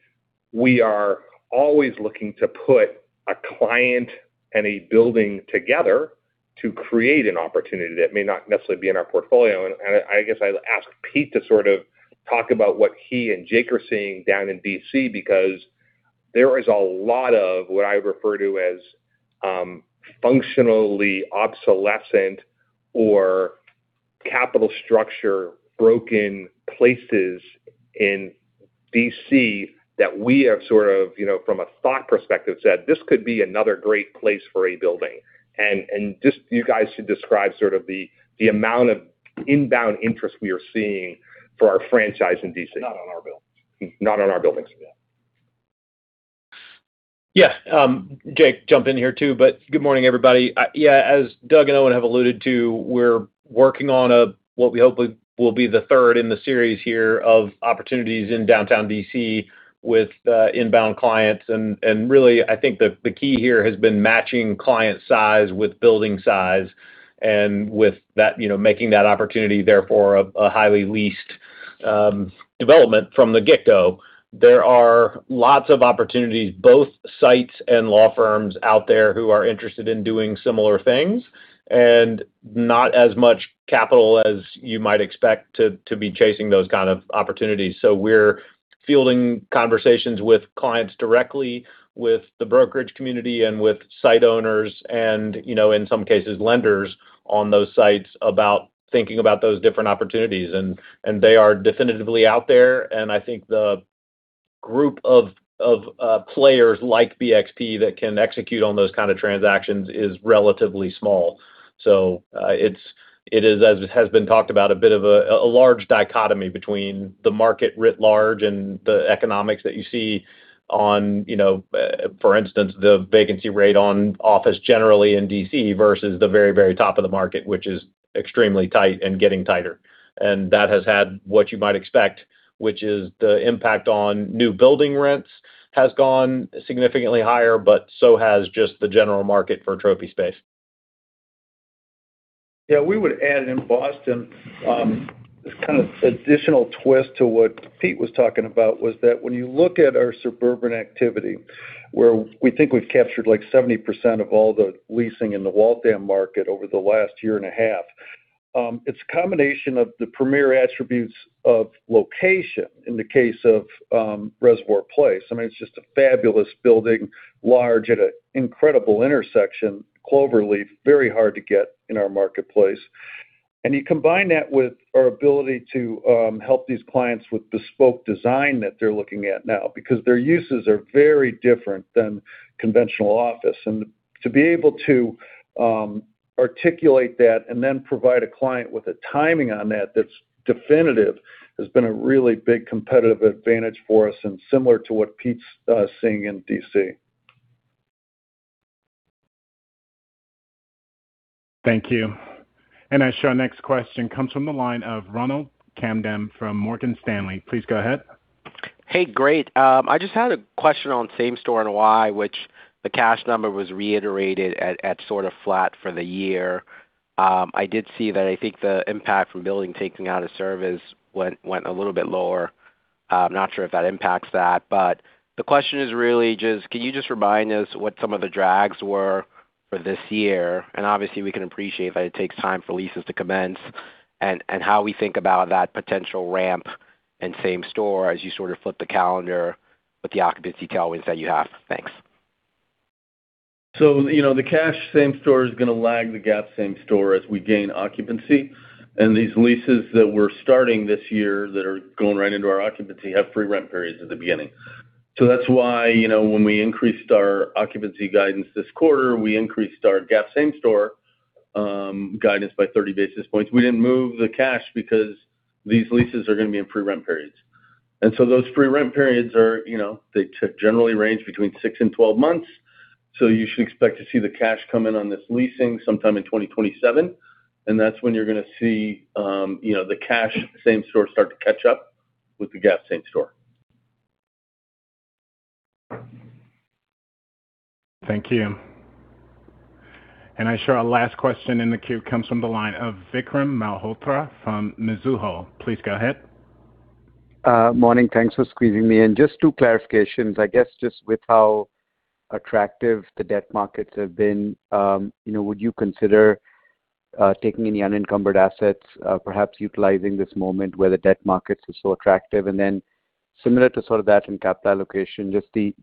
we are always looking to put a client and a building together to create an opportunity that may not necessarily be in our portfolio. I guess I'll ask Pete to sort of talk about what he and Jake are seeing down in D.C., because there is a lot of what I refer to as functionally obsolescent or capital structure broken places in D.C. that we have sort of, from a thought perspective, said, "This could be another great place for a building." Just you guys to describe sort of the amount of inbound interest we are seeing for our franchise in D.C. Not on our buildings. Not on our buildings. Yeah. Yes. Jake, jump in here, too. Good morning, everybody. As Doug and Owen have alluded to, we're working on what we hope will be the third in the series here of opportunities in downtown D.C. with inbound clients. Really, I think the key here has been matching client size with building size and with making that opportunity therefore a highly leased development from the get-go. There are lots of opportunities, both sites and law firms out there, who are interested in doing similar things, not as much capital as you might expect to be chasing those kind of opportunities. We're fielding conversations with clients directly, with the brokerage community, and with site owners and, in some cases, lenders on those sites about thinking about those different opportunities. They are definitively out there, I think the group of players like BXP that can execute on those kind of transactions is relatively small. It is, as it has been talked about, a bit of a large dichotomy between the market writ large and the economics that you see on, for instance, the vacancy rate on office generally in D.C. versus the very top of the market, which is extremely tight and getting tighter. That has had what you might expect, which is the impact on new building rents has gone significantly higher, but so has just the general market for trophy space. We would add in Boston, kind of additional twist to what Pete was talking about was that when you look at our suburban activity, where we think we've captured like 70% of all the leasing in the Waltham market over the last year and a half, it's a combination of the premier attributes of location in the case of Reservoir Place. I mean, it's just a fabulous building, large, at an incredible intersection, cloverleaf, very hard to get in our marketplace. You combine that with our ability to help these clients with bespoke design that they're looking at now, because their uses are very different than conventional office. To be able to articulate that and then provide a client with the timing on that that's definitive has been a really big competitive advantage for us, and similar to what Pete's seeing in D.C. Thank you. I show our next question comes from the line of Ronald Kamdem from Morgan Stanley. Please go ahead. Great. I just had a question on same store and why, which the cash number was reiterated at sort of flat for the year. I did see that I think the impact from building taking out of service went a little bit lower. Not sure if that impacts that, the question is really just, can you just remind us what some of the drags were for this year? Obviously, we can appreciate that it takes time for leases to commence and how we think about that potential ramp in same store as you sort of flip the calendar with the occupancy tailwinds that you have. Thanks. The cash same store is going to lag the GAAP same store as we gain occupancy. These leases that we're starting this year that are going right into our occupancy have free rent periods at the beginning. That's why when we increased our occupancy guidance this quarter, we increased our GAAP same store guidance by 30 basis points. We didn't move the cash because these leases are going to be in free rent periods. Those free rent periods generally range between six and 12 months. You should expect to see the cash come in on this leasing sometime in 2027. That's when you're going to see the cash same store start to catch up with the GAAP same store. Thank you. I show our last question in the queue comes from the line of Vikram Malhotra from Mizuho. Please go ahead. Morning. Thanks for squeezing me in. Just two clarifications. I guess just with how attractive the debt markets have been, would you consider taking any unencumbered assets, perhaps utilizing this moment where the debt markets are so attractive? Similar to sort of that in capital allocation,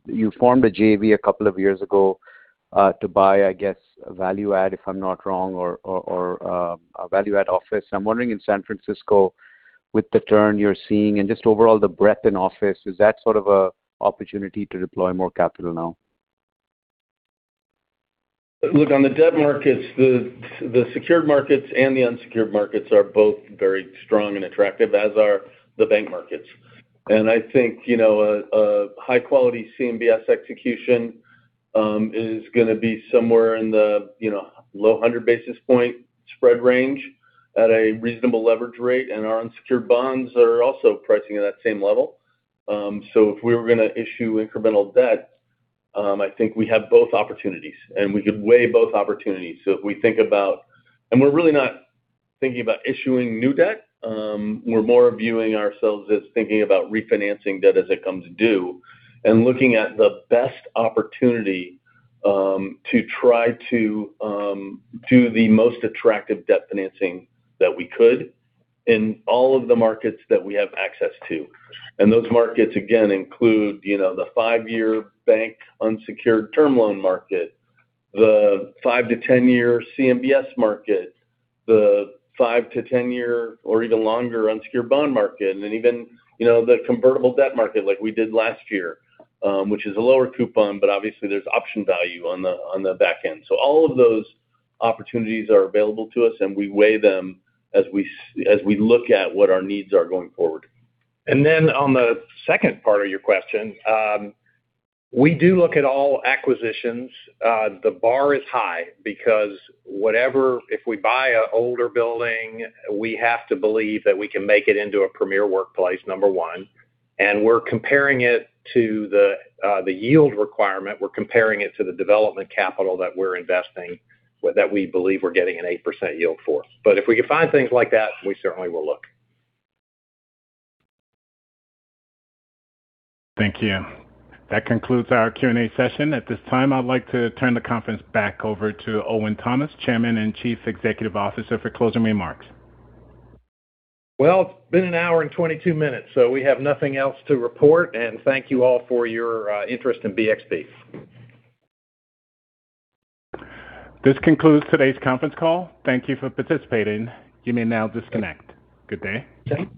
you formed a JV a couple of years ago to buy, I guess, a value add if I'm not wrong, or a value add office. I'm wondering in San Francisco, with the turn you're seeing and just overall the breadth in office, is that sort of an opportunity to deploy more capital now? Look, on the debt markets, the secured markets and the unsecured markets are both very strong and attractive, as are the bank markets. I think a high-quality CMBS execution is going to be somewhere in the low 100 basis point spread range at a reasonable leverage rate, and our unsecured bonds are also pricing at that same level. If we were going to issue incremental debt, I think we have both opportunities, and we could weigh both opportunities. We're really not thinking about issuing new debt. We're more viewing ourselves as thinking about refinancing debt as it comes due and looking at the best opportunity to try to do the most attractive debt financing that we could in all of the markets that we have access to. Those markets, again, include the five-year bank unsecured term loan market, the five to 10-year CMBS market, the five to 10-year or even longer unsecured bond market, and even the convertible debt market like we did last year, which is a lower coupon, but obviously there's option value on the back end. All of those opportunities are available to us, and we weigh them as we look at what our needs are going forward. On the second part of your question, we do look at all acquisitions. The bar is high because if we buy an older building, we have to believe that we can make it into a premier workplace, number one. We're comparing it to the yield requirement. We're comparing it to the development capital that we're investing that we believe we're getting an 8% yield for. If we can find things like that, we certainly will look. Thank you. That concludes our Q&A session. At this time, I'd like to turn the conference back over to Owen Thomas, Chairman and Chief Executive Officer, for closing remarks. It's been an hour and 22 minutes, we have nothing else to report. Thank you all for your interest in BXP. This concludes today's conference call. Thank you for participating. You may now disconnect. Good day.